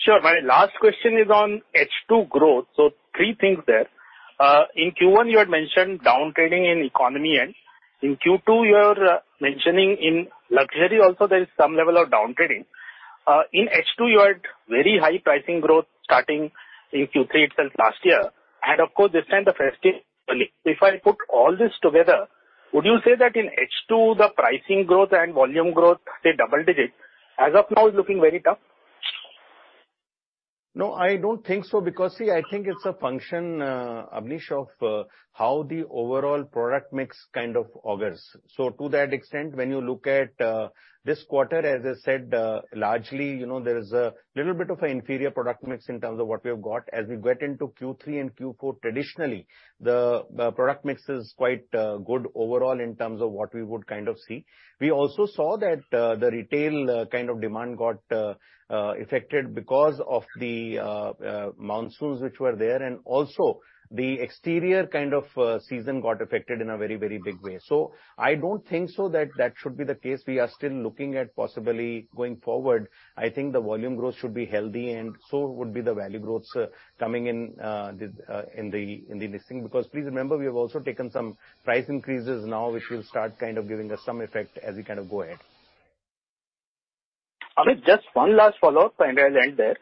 Speaker 4: Sure. My last question is on H2 growth. Three things there. In Q1 you had mentioned downtrading in economy end. In Q2, you are mentioning in luxury also there is some level of downtrading. In H2 you had very high pricing growth starting in Q3 itself last year. Of course this time the festive. If I put all this together, would you say that in H2 the pricing growth and volume growth, say, double digits as of now is looking very tough?
Speaker 2: No, I don't think so because, see, I think it's a function, Abneesh, of, how the overall product mix kind of augurs. To that extent, when you look at, this quarter, as I said, largely, you know, there is a little bit of an inferior product mix in terms of what we have got. As we get into Q3 and Q4, traditionally the product mix is quite, good overall in terms of what we would kind of see. We also saw that, the retail kind of demand got affected because of the, monsoons which were there, and also the exterior kind of, season got affected in a very, very big way. I don't think so that should be the case. We are still looking at possibly going forward. I think the volume growth should be healthy and so would be the value growth, coming in the listing. Because please remember, we have also taken some price increases now, which will start kind of giving us some effect as we kind of go ahead.
Speaker 4: Amit, just one last follow-up and I'll end there.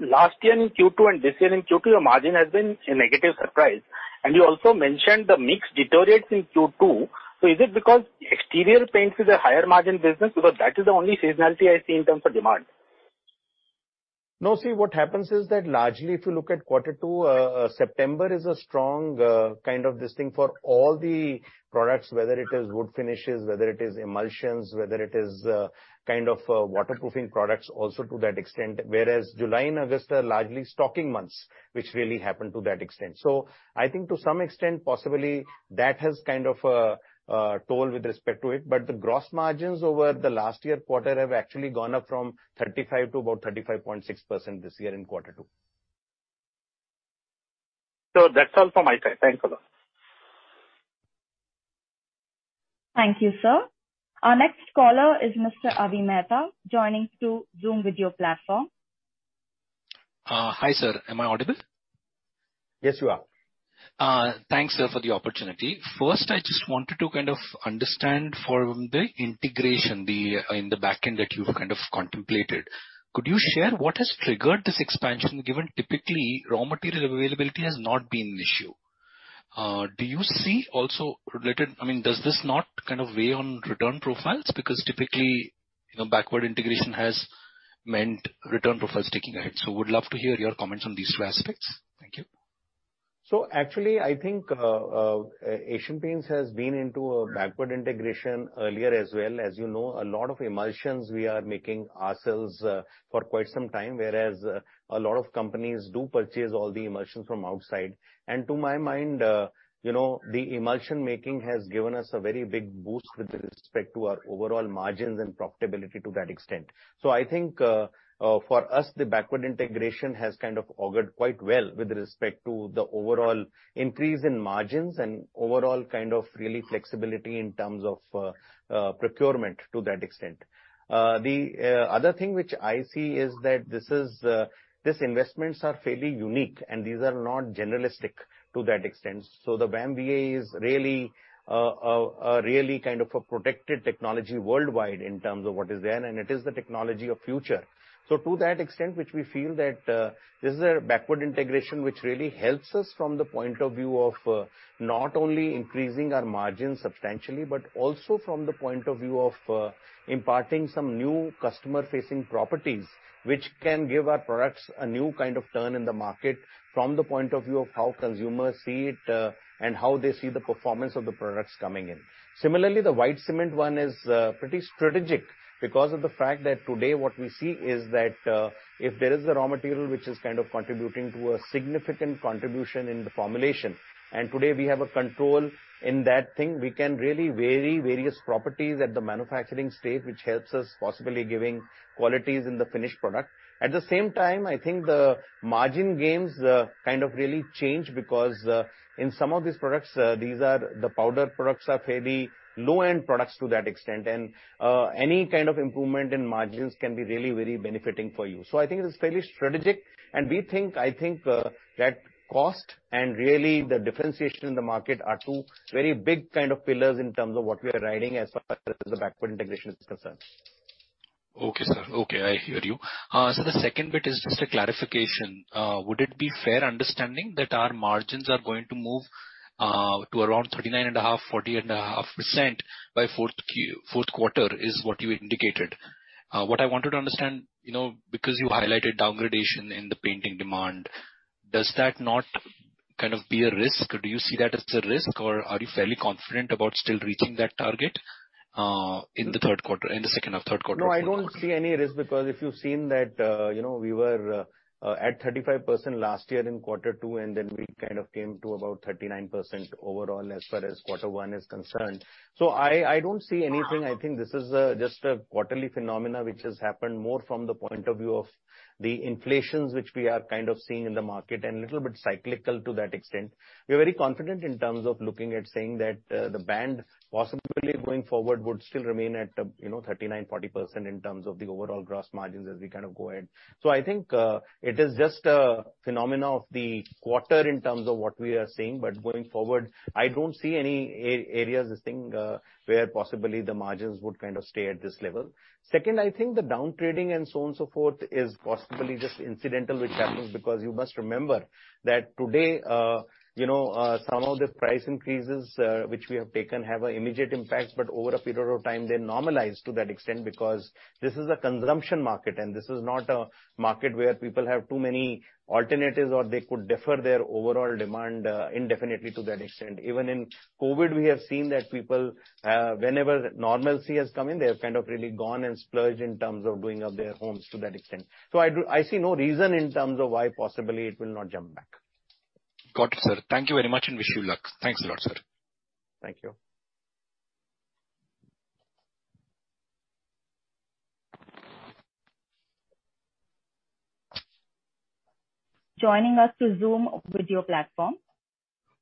Speaker 4: Last year in Q2 and this year in Q2, your margin has been a negative surprise. You also mentioned the mix deteriorates in Q2. Is it because exterior paints is a higher margin business? Because that is the only seasonality I see in terms of demand.
Speaker 2: No. See, what happens is that largely, if you look at quarter two, September is a strong kind of this thing for all the products, whether it is wood finishes, whether it is emulsions, whether it is kind of waterproofing products also to that extent. Whereas July and August are largely stocking months, which really happened to that extent. I think to some extent possibly that has kind of toll with respect to it. The gross margins over the last year quarter have actually gone up from 35%-about 35.6% this year in quarter two.
Speaker 4: That's all from my side. Thanks a lot.
Speaker 3: Thank you, sir. Our next caller is Mr. Avi Mehta joining through Zoom video platform.
Speaker 5: Hi, sir. Am I audible?
Speaker 2: Yes, you are.
Speaker 5: Thanks, sir, for the opportunity. First, I just wanted to kind of understand from the integration in the back end that you've kind of contemplated. Could you share what has triggered this expansion, given typically raw material availability has not been an issue? I mean, does this not kind of weigh on return profiles? Because typically, you know, backward integration has meant return profiles taking a hit. Would love to hear your comments on these two aspects. Thank you.
Speaker 2: Actually, I think Asian Paints has been into a backward integration earlier as well. As you know, a lot of emulsions we are making ourselves for quite some time, whereas a lot of companies do purchase all the emulsions from outside. To my mind, you know, the emulsion making has given us a very big boost with respect to our overall margins and profitability to that extent. I think for us, the backward integration has kind of augured quite well with respect to the overall increase in margins and overall kind of really flexibility in terms of procurement to that extent. The other thing which I see is that these investments are fairly unique and these are not generalistic to that extent. The VAM-VAE is really kind of a protected technology worldwide in terms of what is there, and it is the technology of future. To that extent, which we feel that, this is a backward integration which really helps us from the point of view of, not only increasing our margins substantially, but also from the point of view of, imparting some new customer-facing properties, which can give our products a new kind of turn in the market from the point of view of how consumers see it, and how they see the performance of the products coming in. Similarly, the white cement one is pretty strategic because of the fact that today what we see is that if there is a raw material which is kind of contributing to a significant contribution in the formulation, and today we have a control in that thing, we can really vary various properties at the manufacturing stage, which helps us possibly giving qualities in the finished product. At the same time, I think the margin gains kind of really change because in some of these products, these powder products are fairly low-end products to that extent. Any kind of improvement in margins can be really very benefiting for you. I think it's fairly strategic, and we think, I think, that cost and really the differentiation in the market are two very big kind of pillars in terms of what we are riding as far as the backward integration is concerned.
Speaker 5: Okay, sir. Okay, I hear you. The second bit is just a clarification. Would it be fair understanding that our margins are going to move to around 39.5%-40.5% by Q4, is what you indicated. What I wanted to understand, you know, because you highlighted degradation in the painting demand. Does that not kind of be a risk? Do you see that as a risk or are you fairly confident about still reaching that target, in the Q3, in the second or Q3?
Speaker 2: No, I don't see any risk because if you've seen that, you know, we were at 35% last year in quarter two and then we kind of came to about 39% overall as far as quarter one is concerned. I don't see anything. I think this is just a quarterly phenomenon which has happened more from the point of view of the inflation which we are kind of seeing in the market and little bit cyclical to that extent. We're very confident in terms of looking at saying that the band possibly going forward would still remain at, you know, 39%-40% in terms of the overall gross margins as we kind of go ahead. I think it is just a phenomenon of the quarter in terms of what we are seeing. Going forward, I don't see any areas, I think, where possibly the margins would kind of stay at this level. Second, I think the downtrading and so on and so forth is possibly just incidental which happens because you must remember that today, you know, some of the price increases, which we have taken have an immediate impact. Over a period of time they normalize to that extent because this is a consumption market and this is not a market where people have too many alternatives or they could defer their overall demand, indefinitely to that extent. Even in COVID we have seen that people, whenever normalcy has come in they have kind of really gone and splurged in terms of doing up their homes to that extent. I see no reason in terms of why possibly it will not jump back.
Speaker 5: Got it, sir. Thank you very much and wish you luck. Thanks a lot, sir.
Speaker 2: Thank you.
Speaker 3: Joining us on Zoom video platform.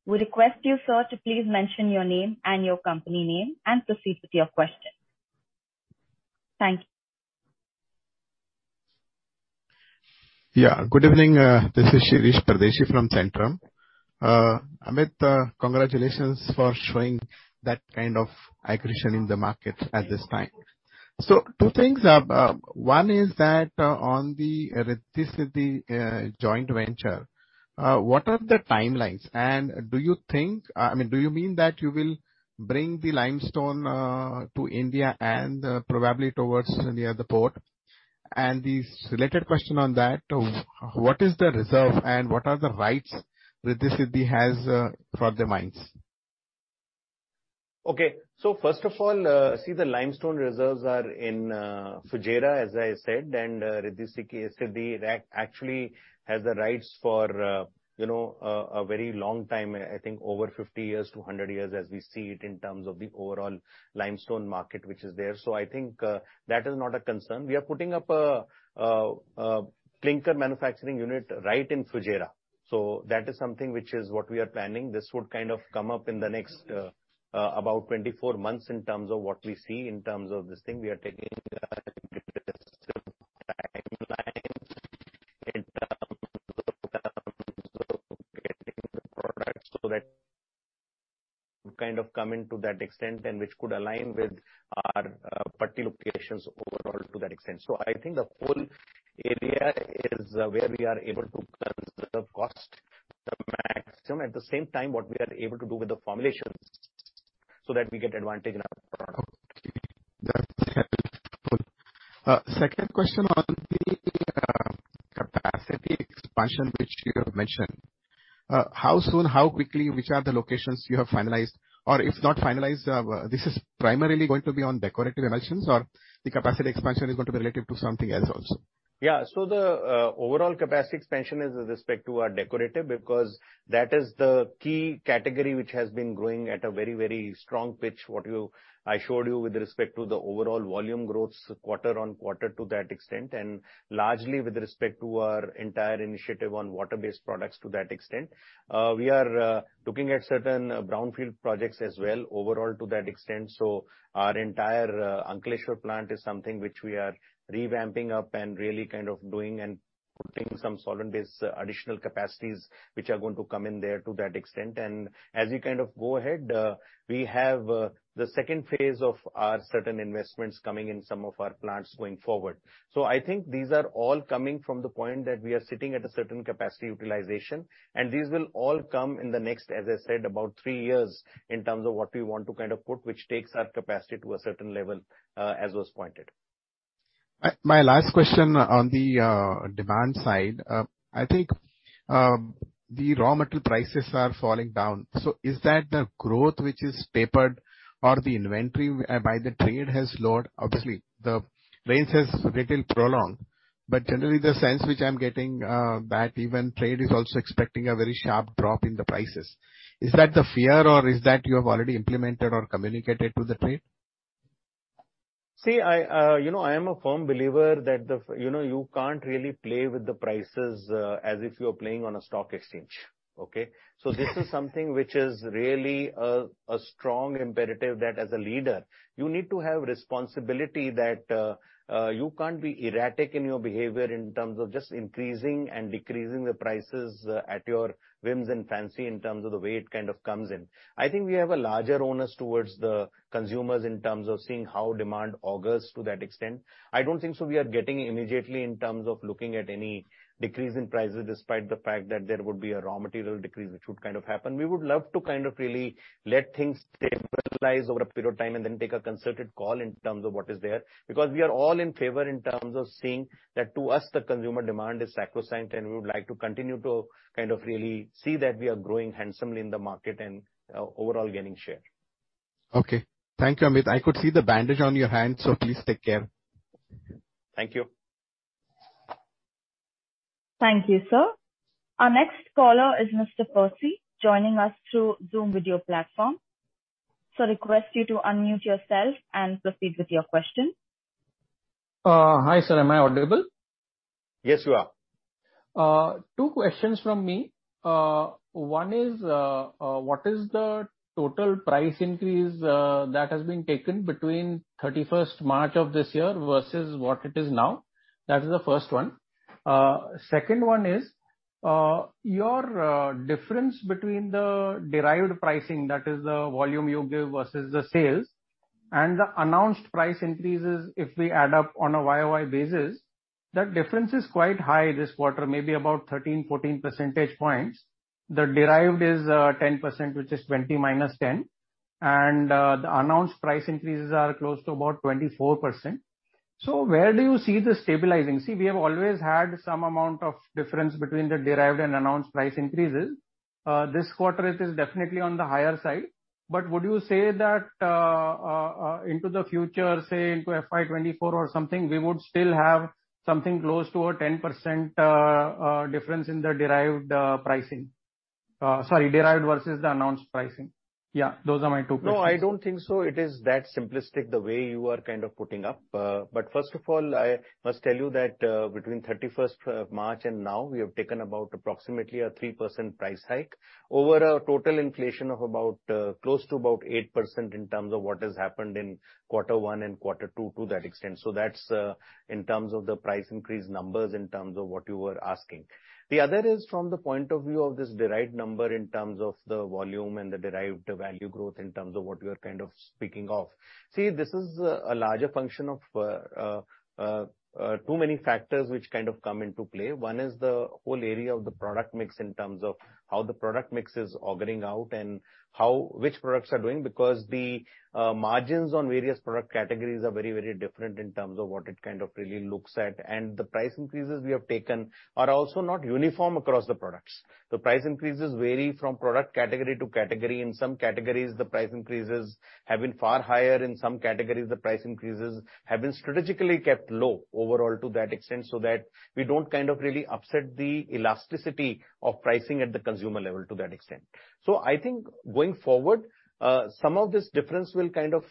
Speaker 3: We request you, sir, to please mention your name and your company name and proceed with your question. Thank you.
Speaker 6: Yeah. Good evening. This is Shirish Pardeshi from Centrum. Amit, congratulations for showing that kind of aggression in the market at this time. Two things. One is that on the Riddhi Siddhi joint venture, what are the timelines? Do you think, I mean do you mean that you will bring the limestone to India and probably towards near the port? The related question on that, what is the reserve and what are the rights Riddhi Siddhi has for the mines?
Speaker 2: Okay. First of all, see the limestone reserves are in Fujairah as I said, and Riddhi Siddhi actually has the rights for, you know, a very long time, I think over 50 years to 100 years as we see it in terms of the overall limestone market which is there. I think that is not a concern. We are putting up a clinker manufacturing unit right in Fujairah. That is something which is what we are planning. This would kind of come up in the next about 24 months in terms of what we see in terms of this thing. We are taking so that kind of come into that extent and which could align with our putty locations overall to that extent. I think the whole area is where we are able to conserve cost the maximum. At the same time what we are able to do with the formulations so that we get advantage in our product.
Speaker 6: Okay. That's helpful. Second question on the capacity expansion which you have mentioned. How soon, how quickly, which are the locations you have finalized or if not finalized, this is primarily going to be on decorative emulsions or the capacity expansion is going to be related to something else also?
Speaker 2: Yeah. The overall capacity expansion is with respect to our decorative because that is the key category which has been growing at a very, very strong pitch. What I showed you with respect to the overall volume growth quarter on quarter to that extent and largely with respect to our entire initiative on water-based products to that extent. We are looking at certain brownfield projects as well overall to that extent. Our entire Ankleshwar plant is something which we are revamping and really kind of doing and putting some solvent-based additional capacities which are going to come in there to that extent. As you kind of go ahead, we have the second phase of our certain investments coming in some of our plants going forward. I think these are all coming from the point that we are sitting at a certain capacity utilization and these will all come in the next, as I said about three years in terms of what we want to kind of put which takes our capacity to a certain level, as was pointed.
Speaker 6: My last question on the demand side, I think, the raw material prices are falling down. Is that the growth which is tapered or the inventory by the trade has lowered? Obviously the rains has little prolonged but generally the sense which I'm getting, that even trade is also expecting a very sharp drop in the prices. Is that the fear or is that you have already implemented or communicated to the trade?
Speaker 2: See, I, you know I am a firm believer that the, you know you can't really play with the prices, as if you're playing on a stock exchange, okay. This is something which is really a strong imperative that as a leader you need to have responsibility that you can't be erratic in your behavior in terms of just increasing and decreasing the prices at your whims and fancy in terms of the way it kind of comes in. I think we have a larger onus towards the consumers in terms of seeing how demand augurs to that extent. I don't think so we are getting immediately in terms of looking at any decrease in prices despite the fact that there would be a raw material decrease which would kind of happen. We would love to kind of really let things stabilize over a period of time and then take a concerted call in terms of what is there. Because we are all in favor in terms of seeing that to us the consumer demand is sacrosanct and we would like to continue to kind of really see that we are growing handsomely in the market and overall gaining share.
Speaker 6: Okay. Thank you, Amit. I could see the bandage on your hand, so please take care.
Speaker 2: Thank you.
Speaker 3: Thank you, sir. Our next caller is Mr. Percy joining us through Zoom video platform. Request you to unmute yourself and proceed with your question.
Speaker 7: Hi sir, am I audible?
Speaker 2: Yes, you are.
Speaker 7: Two questions from me. One is, what is the total price increase that has been taken between 31st March of this year versus what it is now? That is the first one. Second one is, your difference between the derived pricing, that is the volume you give versus the sales, and the announced price increases if we add up on a YOY basis, the difference is quite high this quarter, maybe about 13, 14 percentage points. The derived is, 10%, which is 20 minus 10. The announced price increases are close to about 24%. Where do you see this stabilizing? See, we have always had some amount of difference between the derived and announced price increases. This quarter it is definitely on the higher side. Would you say that into the future, say into FY 2024 or something, we would still have something close to a 10% difference in the derived versus the announced pricing? Sorry, yeah, those are my two questions.
Speaker 2: No, I don't think it is that simplistic the way you are kind of putting it. But first of all, I must tell you that, between 31st March and now, we have taken about approximately a 3% price hike over a total inflation of about close to about 8% in terms of what has happened in quarter one and quarter two, to that extent. That's in terms of the price increase numbers in terms of what you were asking. The other is from the point of view of this derived number in terms of the volume and the derived value growth in terms of what you are kind of speaking of. See, this is a larger function of too many factors which kind of come into play. One is the whole area of the product mix in terms of how the product mix is auguring out and how which products are doing, because the margins on various product categories are very, very different in terms of what it kind of really looks at. The price increases we have taken are also not uniform across the products. The price increases vary from product category to category. In some categories, the price increases have been far higher, in some categories, the price increases have been strategically kept low overall to that extent, so that we don't kind of really upset the elasticity of pricing at the consumer level to that extent. I think going forward, some of this difference will kind of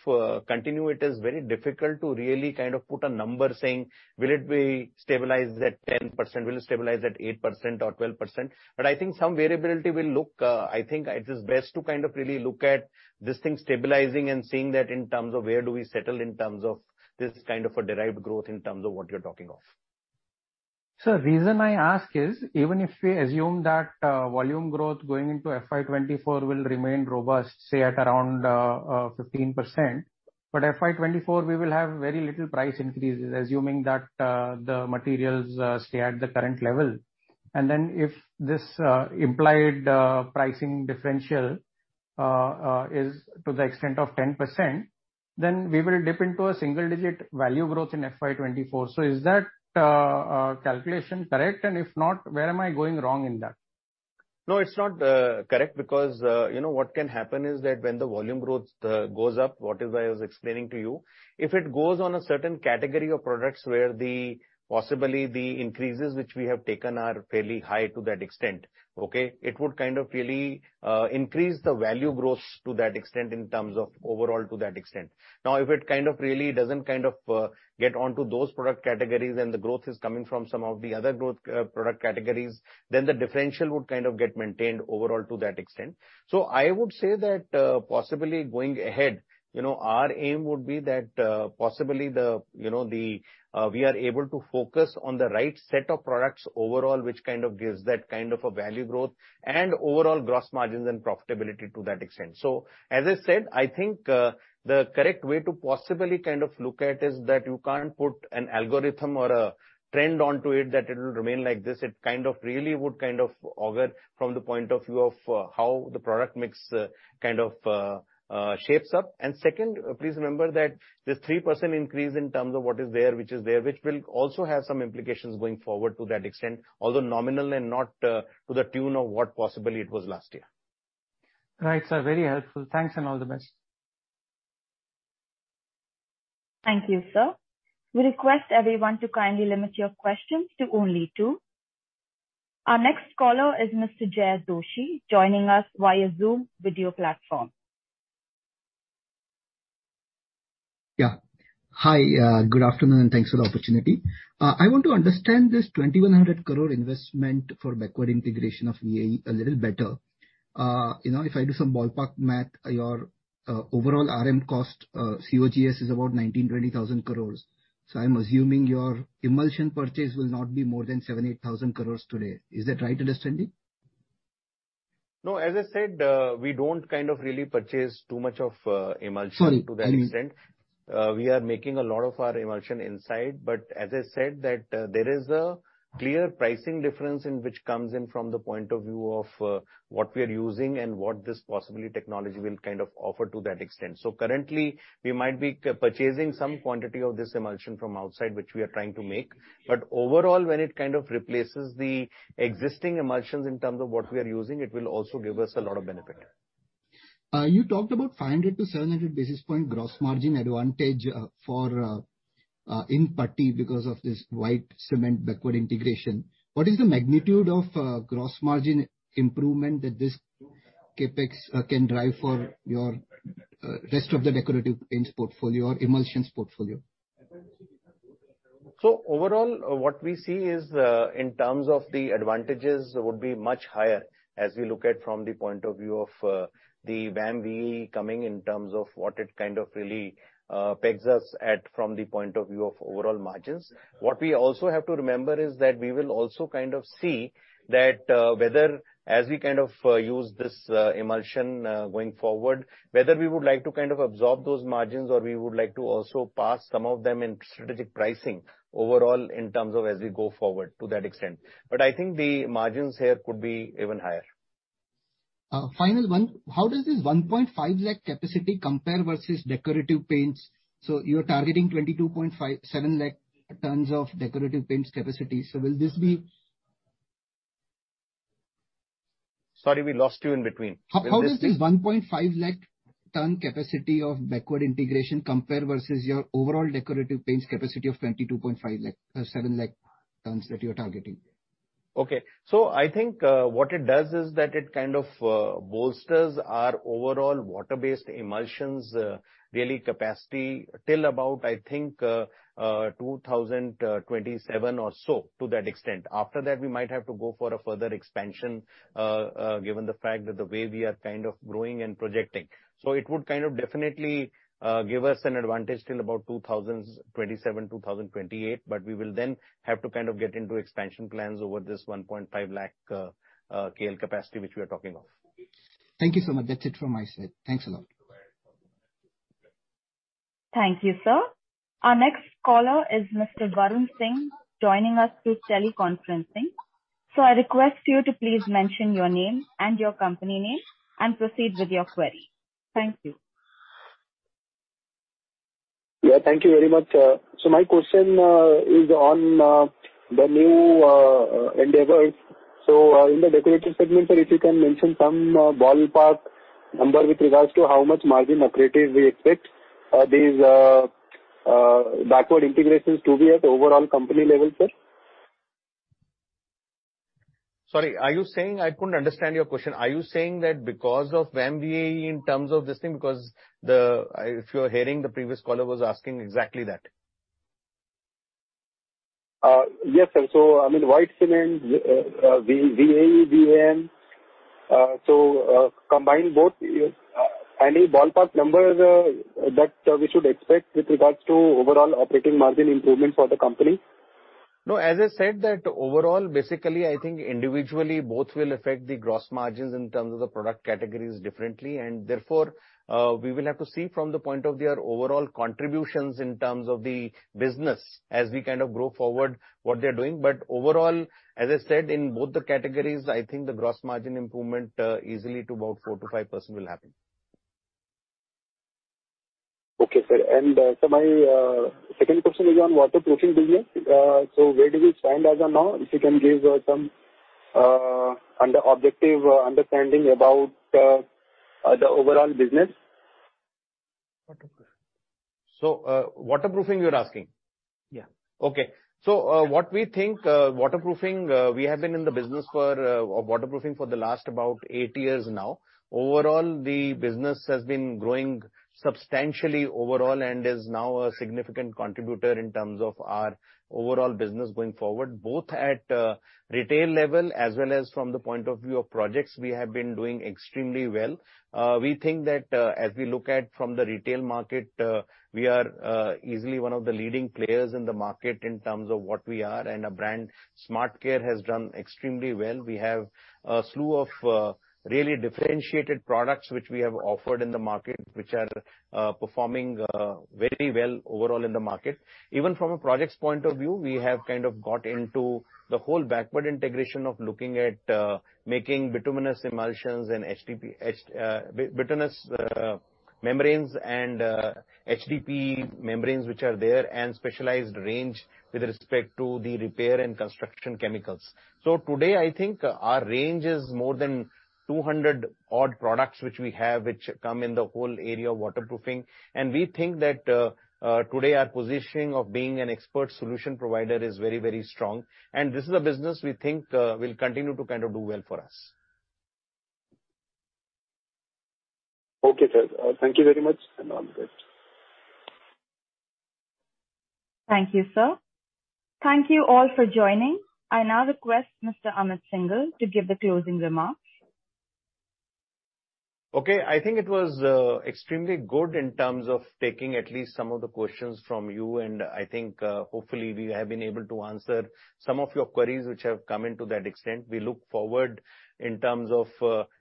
Speaker 2: continue. It is very difficult to really kind of put a number saying will it be stabilized at 10%, will it stabilize at 8% or 12%. I think some variability will look, I think it is best to kind of really look at this thing stabilizing and seeing that in terms of where do we settle in terms of this kind of a derived growth in terms of what you're talking of.
Speaker 7: The reason I ask is, even if we assume that volume growth going into FY 2024 will remain robust, say at around 15%, but FY 2024 we will have very little price increases, assuming that the materials stay at the current level. If this implied pricing differential is to the extent of 10%, then we will dip into a single digit value growth in FY 2024. Is that calculation correct? If not, where am I going wrong in that?
Speaker 2: No, it's not correct because, you know, what can happen is that when the volume growth goes up, what I was explaining to you, if it goes on a certain category of products where the possibly the increases which we have taken are fairly high to that extent, okay, it would kind of really increase the value growth to that extent in terms of overall to that extent. Now, if it kind of really doesn't kind of get onto those product categories and the growth is coming from some of the other growth product categories, then the differential would kind of get maintained overall to that extent. I would say that, possibly going ahead, you know, our aim would be that, possibly we are able to focus on the right set of products overall, which kind of gives that kind of a value growth and overall gross margins and profitability to that extent. As I said, I think, the correct way to possibly kind of look at is that you can't put an algorithm or a trend onto it, that it will remain like this. It kind of really would kind of augur from the point of view of, how the product mix, kind of, shapes up. Second, please remember that the 3% increase in terms of what is there, which will also have some implications going forward to that extent, although nominal and not to the tune of what possibly it was last year.
Speaker 7: Right. Very helpful. Thanks and all the best.
Speaker 3: Thank you, sir. We request everyone to kindly limit your questions to only two. Our next caller is Mr. Jay Doshi joining us via Zoom video platform.
Speaker 8: Yeah. Hi. Good afternoon and thanks for the opportunity. I want to understand this 2,100 crore investment for backward integration of VAE a little better. You know, if I do some ballpark math, your overall RM cost, COGS is about 19,000-20,000 crore. So I'm assuming your emulsion purchase will not be more than 7,000-8,000 crore today. Is that right to understand it?
Speaker 2: No, as I said, we don't kind of really purchase too much of emulsion-
Speaker 8: Sorry. Mm-hmm.
Speaker 2: To that extent. We are making a lot of our emulsion inside, but as I said that, there is a clear pricing difference in which comes in from the point of view of, what we are using and what this possible technology will kind of offer to that extent. Currently, we might be purchasing some quantity of this emulsion from outside, which we are trying to make. Overall, when it kind of replaces the existing emulsions in terms of what we are using, it will also give us a lot of benefit.
Speaker 8: You talked about 500-700 basis points gross margin advantage for Asian Paints because of this white cement backward integration. What is the magnitude of gross margin improvement that this CapEx can drive for your rest of the decorative paints portfolio or emulsions portfolio?
Speaker 2: Overall, what we see is, in terms of the advantages would be much higher as we look at from the point of view of, the VAM-VAE coming in terms of what it kind of really, pegs us at from the point of view of overall margins. What we also have to remember is that we will also kind of see that, whether as we kind of use this, emulsion, going forward, whether we would like to kind of absorb those margins, or we would like to also pass some of them in strategic pricing overall in terms of as we go forward to that extent. I think the margins here could be even higher.
Speaker 8: Final one. How does this 1.5 lakh capacity compare versus decorative paints? You're targeting 22.5-27 lakh tons of decorative paints capacity. Will this be...
Speaker 2: Sorry, we lost you in between. Will this be-
Speaker 8: How does this 1.5 lakh ton capacity of backward integration compare versus your overall decorative paints capacity of 22.5 lakh, 7 lakh tons that you are targeting?
Speaker 2: Okay. I think what it does is that it kind of bolsters our overall water-based emulsions real capacity till about, I think, 2027 or so to that extent. After that, we might have to go for a further expansion given the fact that the way we are kind of growing and projecting. It would kind of definitely give us an advantage till about 2027, 2028, but we will then have to kind of get into expansion plans over this 1.5 lakh KL capacity which we are talking of.
Speaker 8: Thank you so much. That's it from my side. Thanks a lot.
Speaker 3: Thank you, sir. Our next caller is Mr. Varun Singh joining us through teleconferencing. I request you to please mention your name and your company name and proceed with your query. Thank you.
Speaker 9: Yeah, thank you very much. My question is on the new endeavors. In the decorative segment, sir, if you can mention some ballpark number with regards to how much margin accretive we expect these backward integrations to be at the overall company level, sir.
Speaker 2: Sorry, I couldn't understand your question. Are you saying that because of VAM VAE in terms of this thing? If you're hearing, the previous caller was asking exactly that.
Speaker 9: Yes, sir. I mean, white cement, VAE, VAM. Combine both. Any ballpark numbers that we should expect with regards to overall operating margin improvement for the company?
Speaker 2: No, as I said that overall, basically, I think individually both will affect the gross margins in terms of the product categories differently. Therefore, we will have to see from the point of their overall contributions in terms of the business as we kind of go forward what they're doing. Overall, as I said, in both the categories, I think the gross margin improvement easily to about 4%-5% will happen.
Speaker 9: Okay, sir. My second question is on waterproofing business. Where do we stand as of now? If you can give some objective understanding about the overall business.
Speaker 2: Waterproofing. Waterproofing you're asking?
Speaker 9: Yeah.
Speaker 2: What we think, we have been in the business of waterproofing for the last about eight years now. Overall, the business has been growing substantially overall and is now a significant contributor in terms of our overall business going forward. Both at retail level as well as from the point of view of projects, we have been doing extremely well. We think that as we look at from the retail market, we are easily one of the leading players in the market in terms of what we are. Our brand SmartCare has done extremely well. We have a slew of really differentiated products which we have offered in the market, which are performing very well overall in the market. Even from a projects point of view, we have kind of got into the whole backward integration of looking at making bituminous emulsions and HDPE bituminous membranes and HDPE membranes which are there, and specialized range with respect to the repair and construction chemicals. Today, I think our range is more than 200 odd products which we have, which come in the whole area of waterproofing. We think that today our positioning of being an expert solution provider is very, very strong. This is a business we think will continue to kind of do well for us.
Speaker 9: Okay, sir. Thank you very much. I'm good.
Speaker 3: Thank you, sir. Thank you all for joining. I now request Mr. Amit Syngle to give the closing remarks.
Speaker 2: Okay. I think it was extremely good in terms of taking at least some of the questions from you, and I think hopefully we have been able to answer some of your queries which have come in to that extent. We look forward in terms of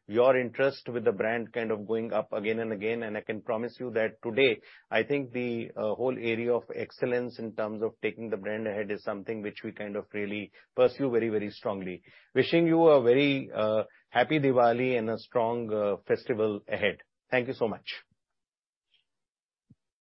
Speaker 2: your interest with the brand kind of going up again and again, and I can promise you that today, I think the whole area of excellence in terms of taking the brand ahead is something which we kind of really pursue very, very strongly. Wishing you a very happy Diwali and a strong festival ahead. Thank you so much.